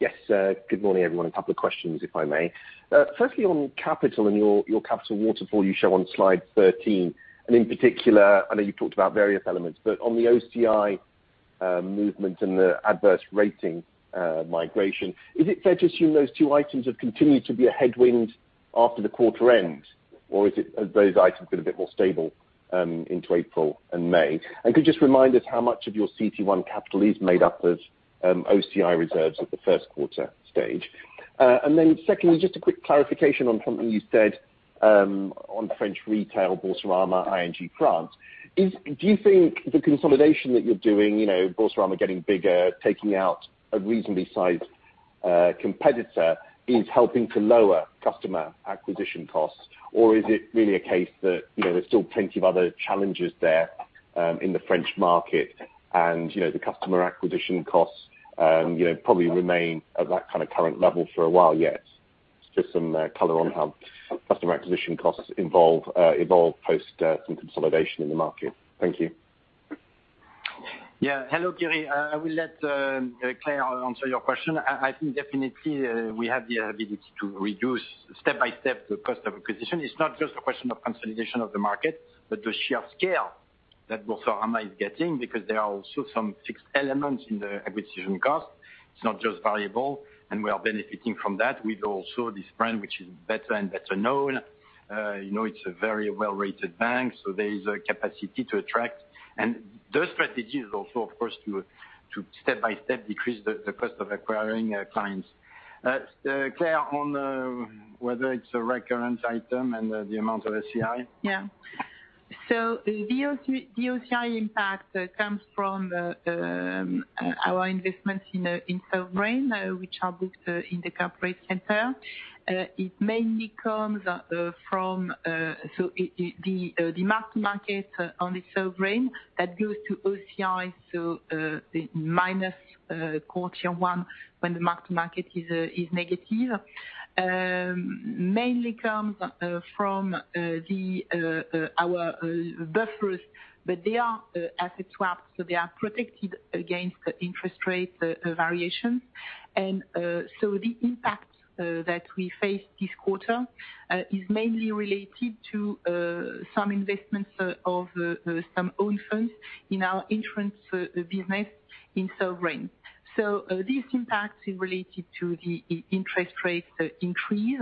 Yes, good morning, everyone. A couple of questions, if I may. Firstly, on capital and your capital waterfall you show on slide 13, and in particular, I know you've talked about various elements, but on the OCI movement and the adverse rating migration, is it fair to assume those two items have continued to be a headwind after the quarter-end? Or have those items been a bit more stable into April and May? And could you just remind us how much of your CET1 capital is made up of OCI reserves at the first-quarter stage? And then secondly, just a quick clarification on something you said on French retail Boursorama, ING France. Is Do you think the consolidation that you're doing, you know, Boursorama getting bigger, taking out a reasonably sized competitor, is helping to lower customer acquisition costs? Or is it really a case that, you know, there's still plenty of other challenges there in the French market and, you know, the customer acquisition costs probably remain at that kind of current level for a while yet? Just some color on how customer acquisition costs evolve post some consolidation in the market. Thank you. Yeah. Hello, Kiri. I will let Claire answer your question. I think definitely we have the ability to reduce step by step the cost of acquisition. It's not just a question of consolidation of the market, but the sheer scale that Boursorama is getting, because there are also some fixed elements in the acquisition cost. It's not just variable, and we are benefiting from that. We've also this brand, which is better and better known. You know, it's a very well-rated bank, so there is a capacity to attract. The strategy is also of course to step by step decrease the cost of acquiring clients. Claire, on whether it's a recurrent item and the amount of OCI? The OCI impact comes from our investments in sovereign which are booked in the corporate center. It mainly comes from the mark-to-market on the sovereign that goes to OCI, the minus quarter one when the mark-to-market is negative. Mainly comes from our buffers, but they are asset swaps, so they are protected against interest rate variations. The impact that we face this quarter is mainly related to some investments of some own funds in our insurance business in sovereign. This impact is related to the interest rate increase.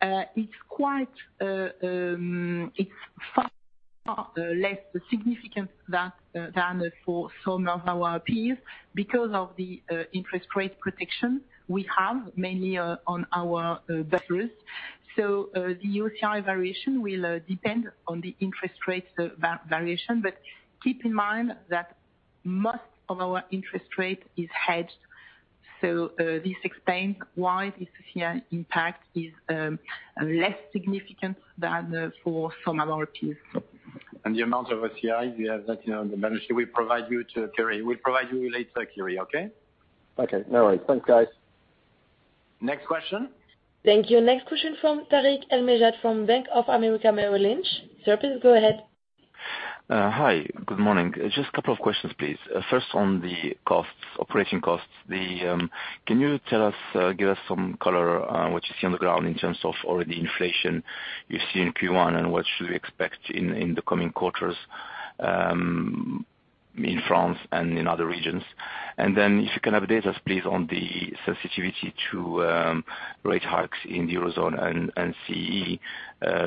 It's quite. It's far less significant than for some of our peers because of the interest rate protection we have mainly on our buffers. The OCI variation will depend on the interest rate variation, but keep in mind that most of our interest rate is hedged. This explains why the OCI impact is less significant than for some of our peers. The amount of OCI, we have that in the management. We'll provide it to you later, Kiri. Okay? Okay. No worries. Thanks, guys. Next question. Thank you. Next question from Tarik El Mejjad from Bank of America Merrill Lynch. Sir, please go ahead. Hi. Good morning. Just a couple of questions, please. First on the costs, operating costs, can you tell us, give us some color on what you see on the ground in terms of all the inflation you've seen in Q1 and what should we expect in the coming quarters, in France and in other regions? If you can update us, please, on the sensitivity to rate hikes in the Eurozone and CE,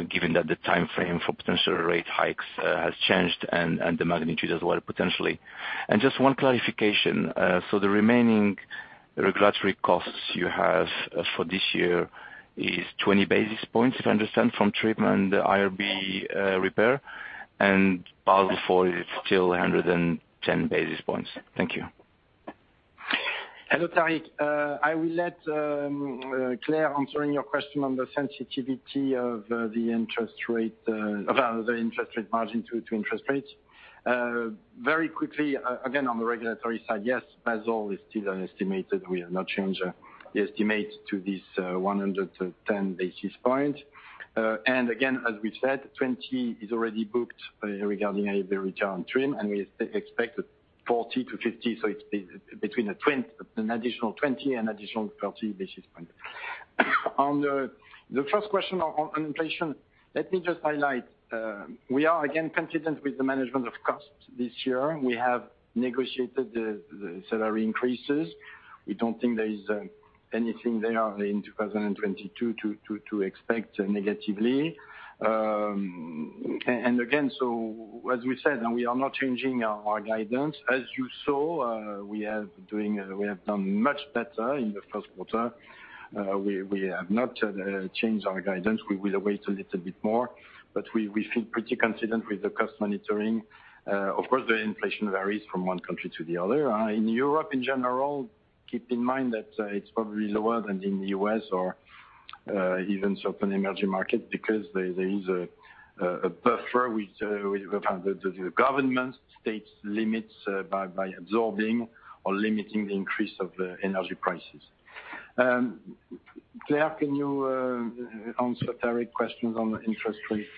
given that the timeframe for potential rate hikes has changed and the magnitude as well potentially. Just one clarification, so the remaining regulatory costs you have for this year is 20 basis points, if I understand, from TRIM and the IRB repair, and Basel IV is still 110 basis points. Thank you. Hello, Tarik. I will let Claire answer your question on the sensitivity of the interest rate of the interest rate margin to interest rates. Very quickly, again, on the regulatory side, yes, Basel is still an estimate. We have not changed the estimate to this 100 to 110 basis points. And again, as we've said, 20 is already booked regarding IRB TRIM, and we expect 40 to 50. So it's between an additional 20 and additional 30 basis points. On the first question on inflation, let me just highlight, we are again confident with the management of costs this year. We have negotiated the salary increases. We don't think there is anything there in 2022 to expect negatively. And again, as we said, we are not changing our guidance. As you saw, we have done much better in the first quarter. We have not changed our guidance. We will wait a little bit more, but we feel pretty confident with the cost monitoring. Of course, the inflation varies from one country to the other. In Europe in general, keep in mind that it's probably lower than in the U.S. or even certain emerging markets because there is a buffer which the government sets limits by absorbing or limiting the increase of the energy prices. Claire, can you answer Tarik's questions on interest rates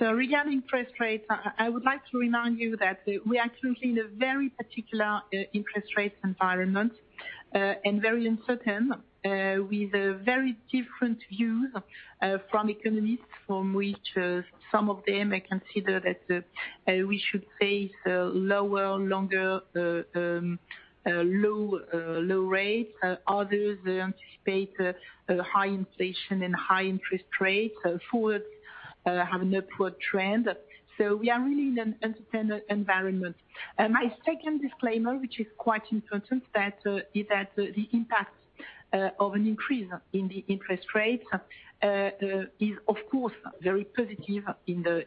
and Regarding interest rates, I would like to remind you that we are currently in a very particular interest rate environment and very uncertain with very different views from economists from which some of them consider that we should face low rate. Others anticipate high inflation and high interest rates. Forwards have an upward trend. We are really in an uncertain environment. My second disclaimer, which is quite important, is that the impact of an increase in the interest rates is of course very positive in the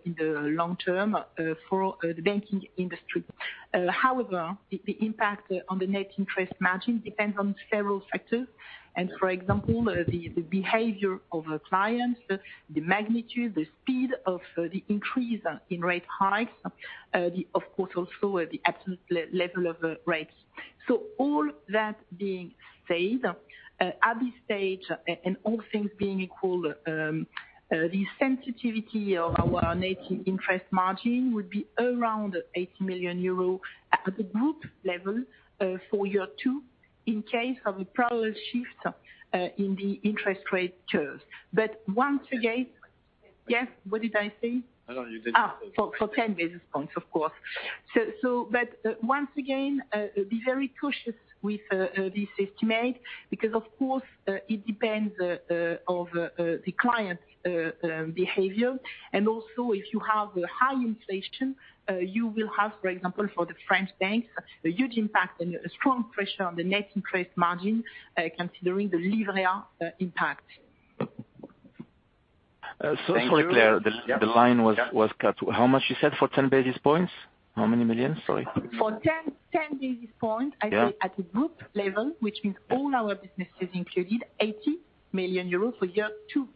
long term for the banking industry. However, the impact on the net interest margin depends on several factors. For example, the behavior of a client, the magnitude, the speed of the increase in rate hikes, the, of course, also the absolute level of rates. All that being said, at this stage and all things being equal, the sensitivity of our net interest margin would be around 80 million euros at the group level, for year two in case of a parallel shift in the interest rate curve. Once again. Yes, what did I say? No, you did not. For ten basis points, of course. Once again, be very cautious with this estimate because of course, it depends of the client behavior. Also if you have a high inflation, you will have, for example, for the French banks, a huge impact and a strong pressure on the net interest margin, considering the Livret impact. Sorry, Claire. The line was cut. How much you said for ten basis points? How many millions? Sorry. For ten basis points. Yeah. I said at the group level, which means all our businesses included, 80 million euros for year two.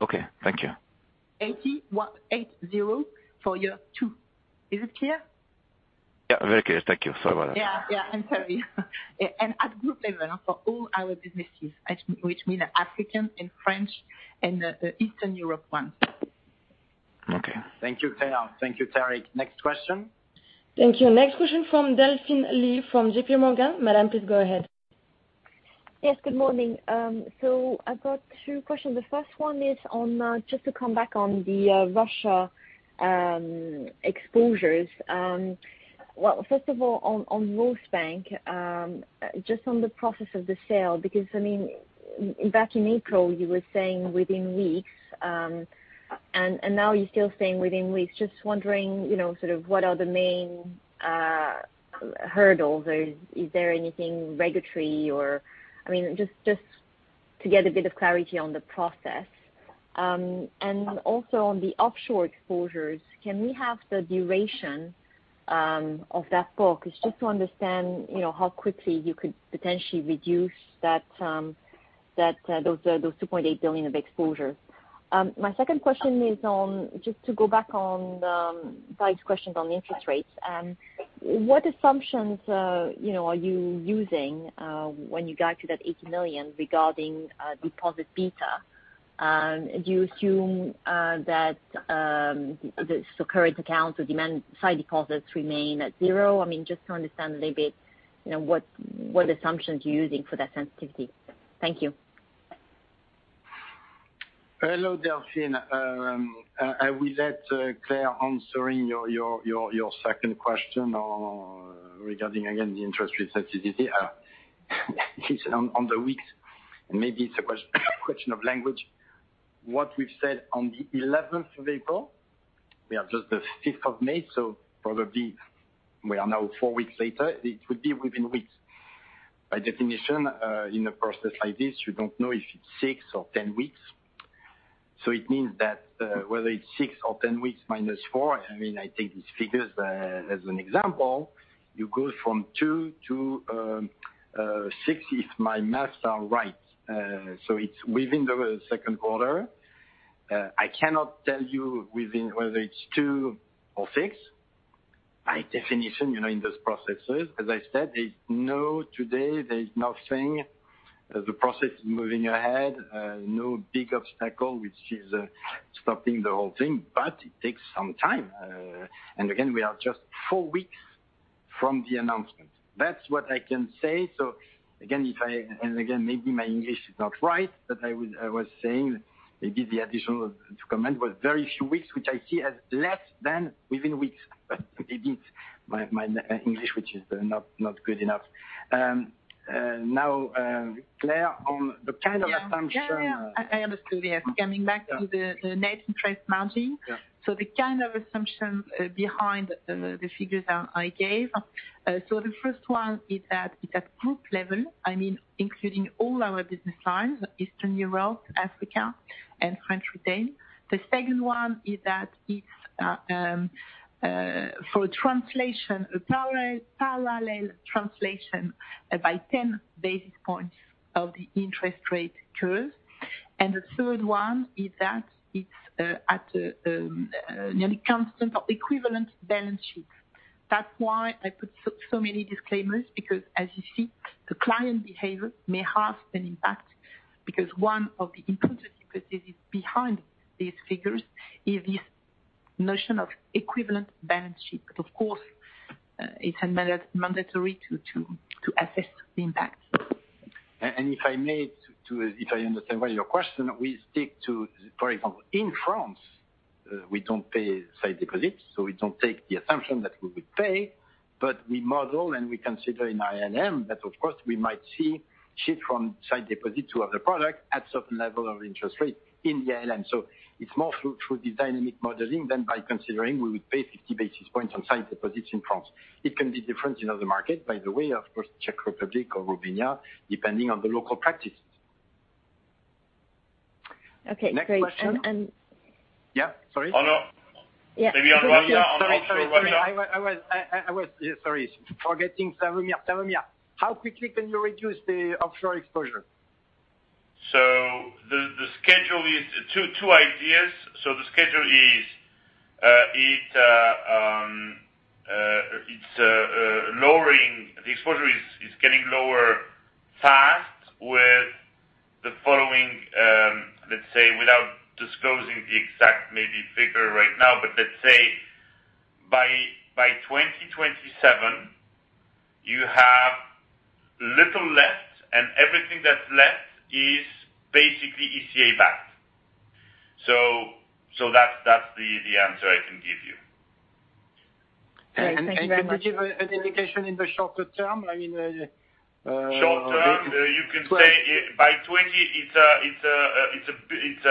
Okay. Thank you. 80. 180 for year two. Is it clear? Yeah, very clear. Thank you. Sorry about that. Yeah. I'm sorry. At group level for all our businesses, which mean African and French and the Eastern Europe one. Okay. Thank you, Claire. Thank you, Tariq. Next question. Thank you. Next question from Delphine Lee from J.P. Morgan. Madam, please go ahead. Yes, good morning. So I've got two questions. The first one is on just to come back on the Russia exposures. Well, first of all on Rosbank, just on the process of the sale, because I mean, back in April, you were saying within weeks, and now you're still saying within weeks. Just wondering, you know, sort of what are the main hurdles. Is there anything regulatory or I mean, just to get a bit of clarity on the process. And also on the offshore exposures, can we have the duration of that book? It's just to understand, you know, how quickly you could potentially reduce that those 28 billion of exposure. My second question is on just to go back on Tarik's question on the interest rates. What assumptions, you know, are you using when you guide to that 80 million regarding deposit beta? Do you assume that the so-called current accounts or demand-side deposits remain at zero? I mean, just to understand a little bit, you know, what assumptions you're using for that sensitivity. Thank you. Hello, Delphine. I will let Claire answering your second question regarding again the interest rate sensitivity. On the weeks, and maybe it's a question of language. What we've said on the eleventh of April, we are just the fifth of May, so probably we are now four weeks later. It would be within weeks. By definition, in a process like this, you don't know if it's six or ten weeks. It means that whether it's six or ten weeks minus four, I mean, I take these figures as an example, you go from two to six, if my math are right. It's within the second quarter. I cannot tell you within whether it's two or six. By definition, you know, in those processes, as I said, there's no today, there's nothing. The process is moving ahead. No big obstacle, which is stopping the whole thing, but it takes some time. We are just four weeks from the announcement. That's what I can say. Again, maybe my English is not right, but I was saying, maybe the additional to comment was very few weeks, which I see as less than within weeks. Maybe it's my English, which is not good enough. Claire, on the kind of assumption- Yeah. I understood. Yes. Coming back to the net interest margin. Yeah. The kind of assumption behind the figures I gave. The first one is at group level, I mean, including all our business lines, Eastern Europe, Africa, and the Americas. The second one is that it's for translation, a parallel translation by ten basis points of the interest rate curve. The third one is that it's at a constant equivalent balance sheet. That's why I put so many disclaimers, because as you see, the client behavior may have an impact because one of the important capacities behind these figures is this notion of equivalent balance sheet. Of course, it's mandatory to assess the impact. If I may, if I understand well your question, we stick to, for example, in France, we don't pay sight deposits, so we don't take the assumption that we would pay. We model and we consider in NIM that of course, we might see shift from sight deposit to other product at certain level of interest rate in the ALM. It's more through the dynamic modeling than by considering we would pay 50 basis points on sight deposits in France. It can be different in other markets, by the way, of course, Czech Republic or Romania, depending on the local practices. Okay, great. Next question. Yeah, sorry. Hello. Yeah. Maybe on offshore, whether Sorry. I was. Yeah, sorry. Forgetting Slawomir Krupa. Slawomir Krupa, how quickly can you reduce the offshore exposure? The schedule is two ideas. The schedule is lowering. The exposure is getting lower fast with the following, let's say without disclosing the exact maybe figure right now, but let's say by 2027, you have little left, and everything that's left is basically ECA backed. That's the answer I can give you. Thank you very much. Can you give an indication in the shorter term? I mean, twenty- Shorter term, you can say by 2020, it's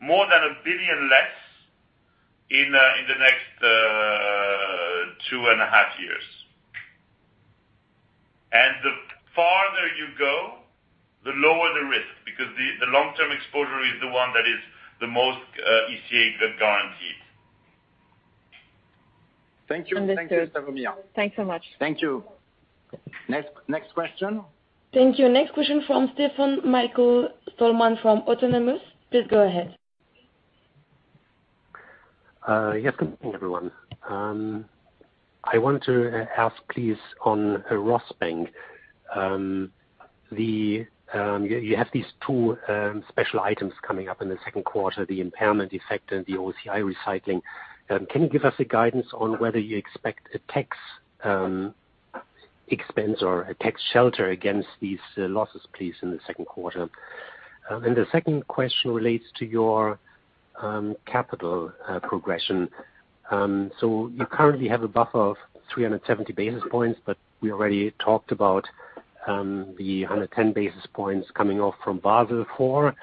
more than 1 billion less in the next two and a half years. The farther you go, the lower the risk, because the long-term exposure is the one that is the most ECA guaranteed. Thank you. Understood. Thank you, Slawomir Krupa. Thanks so much. Thank you. Next question. Thank you. Next question from Stefan-Michael Stalmann from Autonomous. Please go ahead. Yes. Good morning, everyone. I want to ask, please, on Rosbank, you have these two special items coming up in the second quarter, the impairment effect and the OCI recycling. Can you give us a guidance on whether you expect a tax expense or a tax shelter against these losses, please, in the second quarter? The second question relates to your capital progression. You currently have a buffer of 370 basis points, but we already talked about the 110 basis points coming off from Basel IV.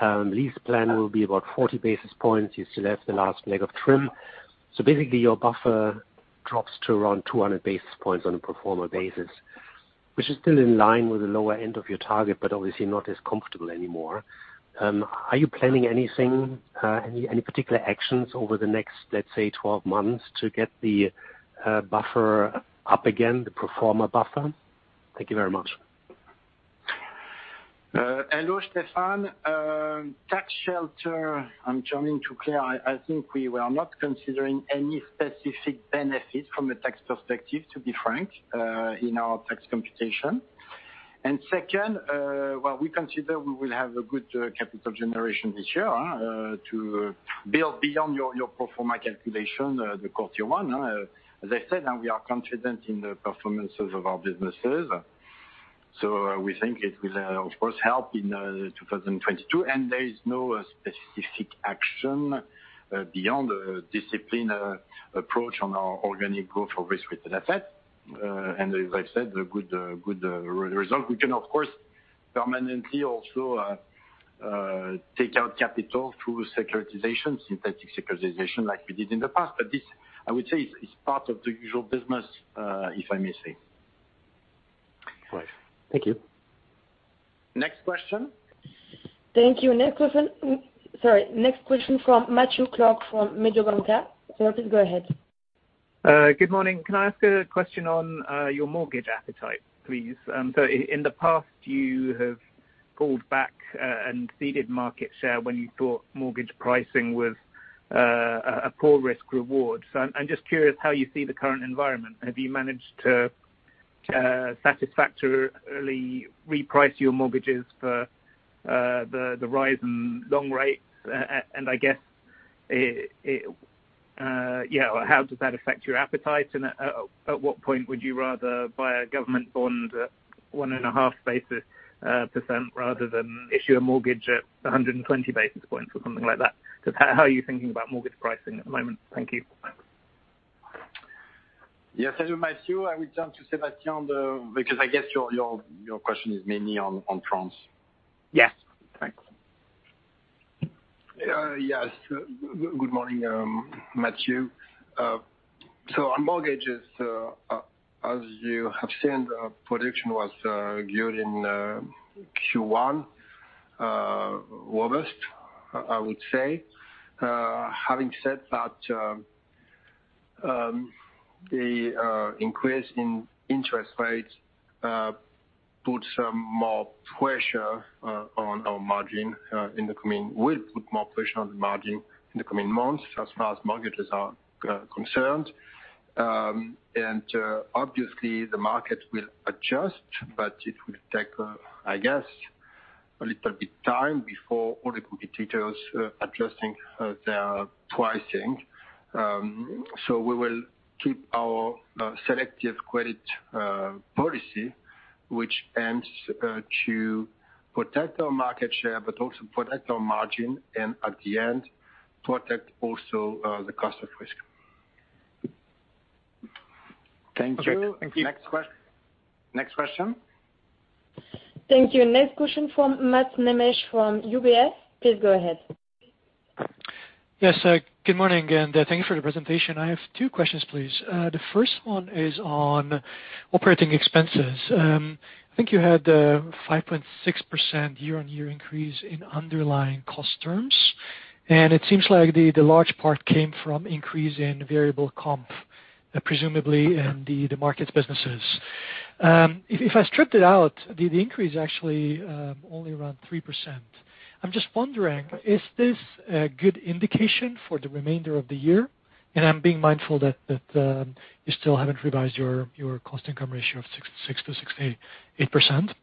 LeasePlan will be about 40 basis points. You still have the last leg of TRIM. Basically, your buffer drops to around 200 basis points on a pro forma basis, which is still in line with the lower end of your target, but obviously not as comfortable anymore. Are you planning anything, any particular actions over the next, let's say, 12 months to get the buffer up again, the pro forma buffer? Thank you very much. Hello, Stefan. Tax shelter, I'm turning to Claire. I think we were not considering any specific benefit from a tax perspective, to be frank, in our tax computation. Second, well, we consider we will have a good capital generation this year to build beyond your pro forma calculation, the quarter one. As I said, we are confident in the performances of our businesses. We think it will, of course, help in 2022, and there is no specific action beyond a disciplined approach on our organic growth of risk-weighted asset. And as I said, a good result. We can, of course, permanently also take out capital through securitization, synthetic securitization like we did in the past. This, I would say, is part of the usual business, if I may say. Right. Thank you. Next question. Thank you. Sorry. Next question from Matthew Clark from Mediobanca. Sir, please go ahead. Good morning. Can I ask a question on your mortgage appetite, please? In the past, you have called back and ceded market share when you thought mortgage pricing was a poor risk reward. I'm just curious how you see the current environment. Have you managed to satisfactorily reprice your mortgages for the rise in long rates? I guess it, yeah, how does that affect your appetite? At what point would you rather buy a government bond at 1.5 basis points rather than issue a mortgage at 120 basis points or something like that? Just how are you thinking about mortgage pricing at the moment? Thank you. Yes. Thank you, Matthew. I will turn to Sébastien. Because I guess your question is mainly on France. Yes. Thanks. Yes. Good morning, Matthew. On mortgages, as you have seen, the production was good in Q1, robust, I would say. Having said that, the increase in interest rates will put more pressure on the margin in the coming months as far as mortgages are concerned. Obviously the market will adjust, but it will take, I guess, a little bit time before all the competitors adjusting their pricing. We will keep our selective credit policy, which aims to protect our market share, but also protect our margin, and at the end, protect also the cost of risk. Thank you. Okay. Thank you. Next question. Thank you. Next question from Mateusz Nemeth from UBS. Please go ahead. Yes. Good morning, and thank you for the presentation. I have two questions, please. The first one is on operating expenses. I think you had 5.6% year-over-year increase in underlying cost terms. It seems like the large part came from increase in variable comp, presumably in the markets businesses. If I stripped it out, the increase actually only around 3%. I'm just wondering, is this a good indication for the remainder of the year? I'm being mindful that you still haven't revised your cost income ratio of 60%-68%. So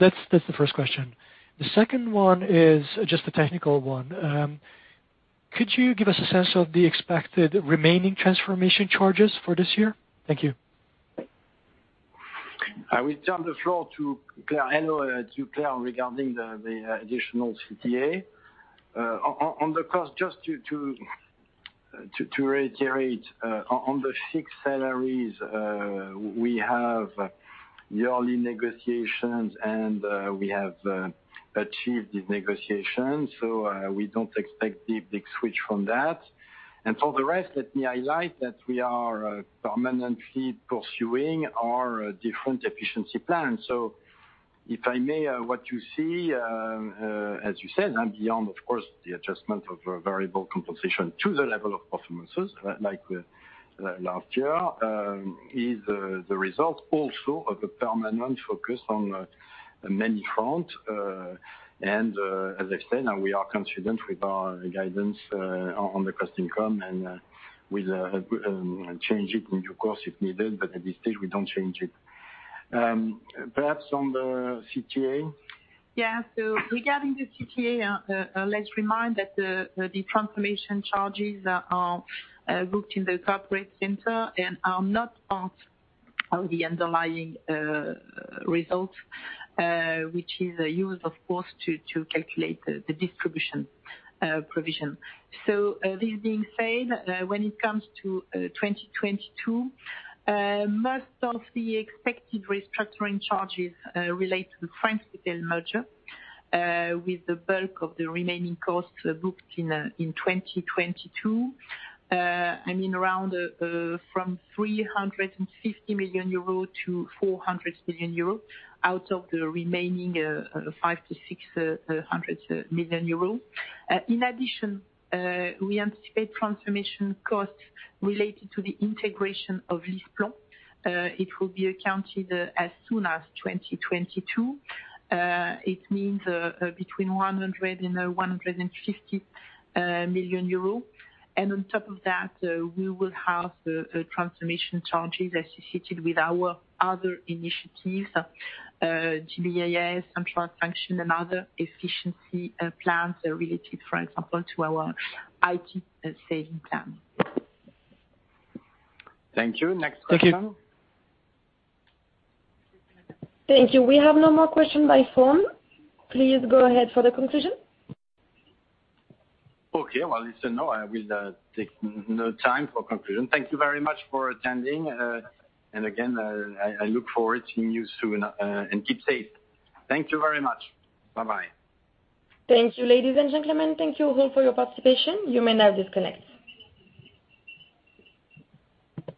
that's the first question. The second one is just a technical one. Could you give us a sense of the expected remaining transformation charges for this year? Thank you. I will turn the floor to Claire Dumas at UCL regarding the additional CTA. On the cost, just to reiterate, on the fixed salaries, we have yearly negotiations and we have achieved these negotiations, so we don't expect the big switch from that. For the rest, let me highlight that we are permanently pursuing our different efficiency plans. If I may, what you see, as you said, and beyond, of course, the adjustment of our variable compensation to the level of performance, like with last year, is the result also of a permanent focus on many fronts. As I've said, we are confident with our guidance on the cost/income, and we'll change it in due course if needed, but at this stage we don't change it. Perhaps on the CTA. Regarding the CTA, let's remind that the transformation charges are booked in the corporate center and are not part of the underlying result, which is used, of course, to calculate the distribution provision. This being said, when it comes to 2022, most of the expected restructuring charges relate to the French retail merger, with the bulk of the remaining costs booked in 2022. I mean, around from 350 million euro to 400 million euro out of the remaining 500 million-600 million euro. In addition, we anticipate transformation costs related to the integration of LeasePlan. It will be accounted as soon as 2022. It means between 100 million euros and 150 million euro. We will have transformation charges associated with our other initiatives, GBIS, central function, and other efficiency plans related, for example, to our IT saving plan. Thank you. Next question. Thank you. Thank you. We have no more questions by phone. Please go ahead for the conclusion. Okay. Well, listen, no, I will take no time for conclusion. Thank you very much for attending. Again, I look forward to seeing you soon, and keep safe. Thank you very much. Bye-bye. Thank you, ladies and gentlemen. Thank you all for your participation. You may now disconnect.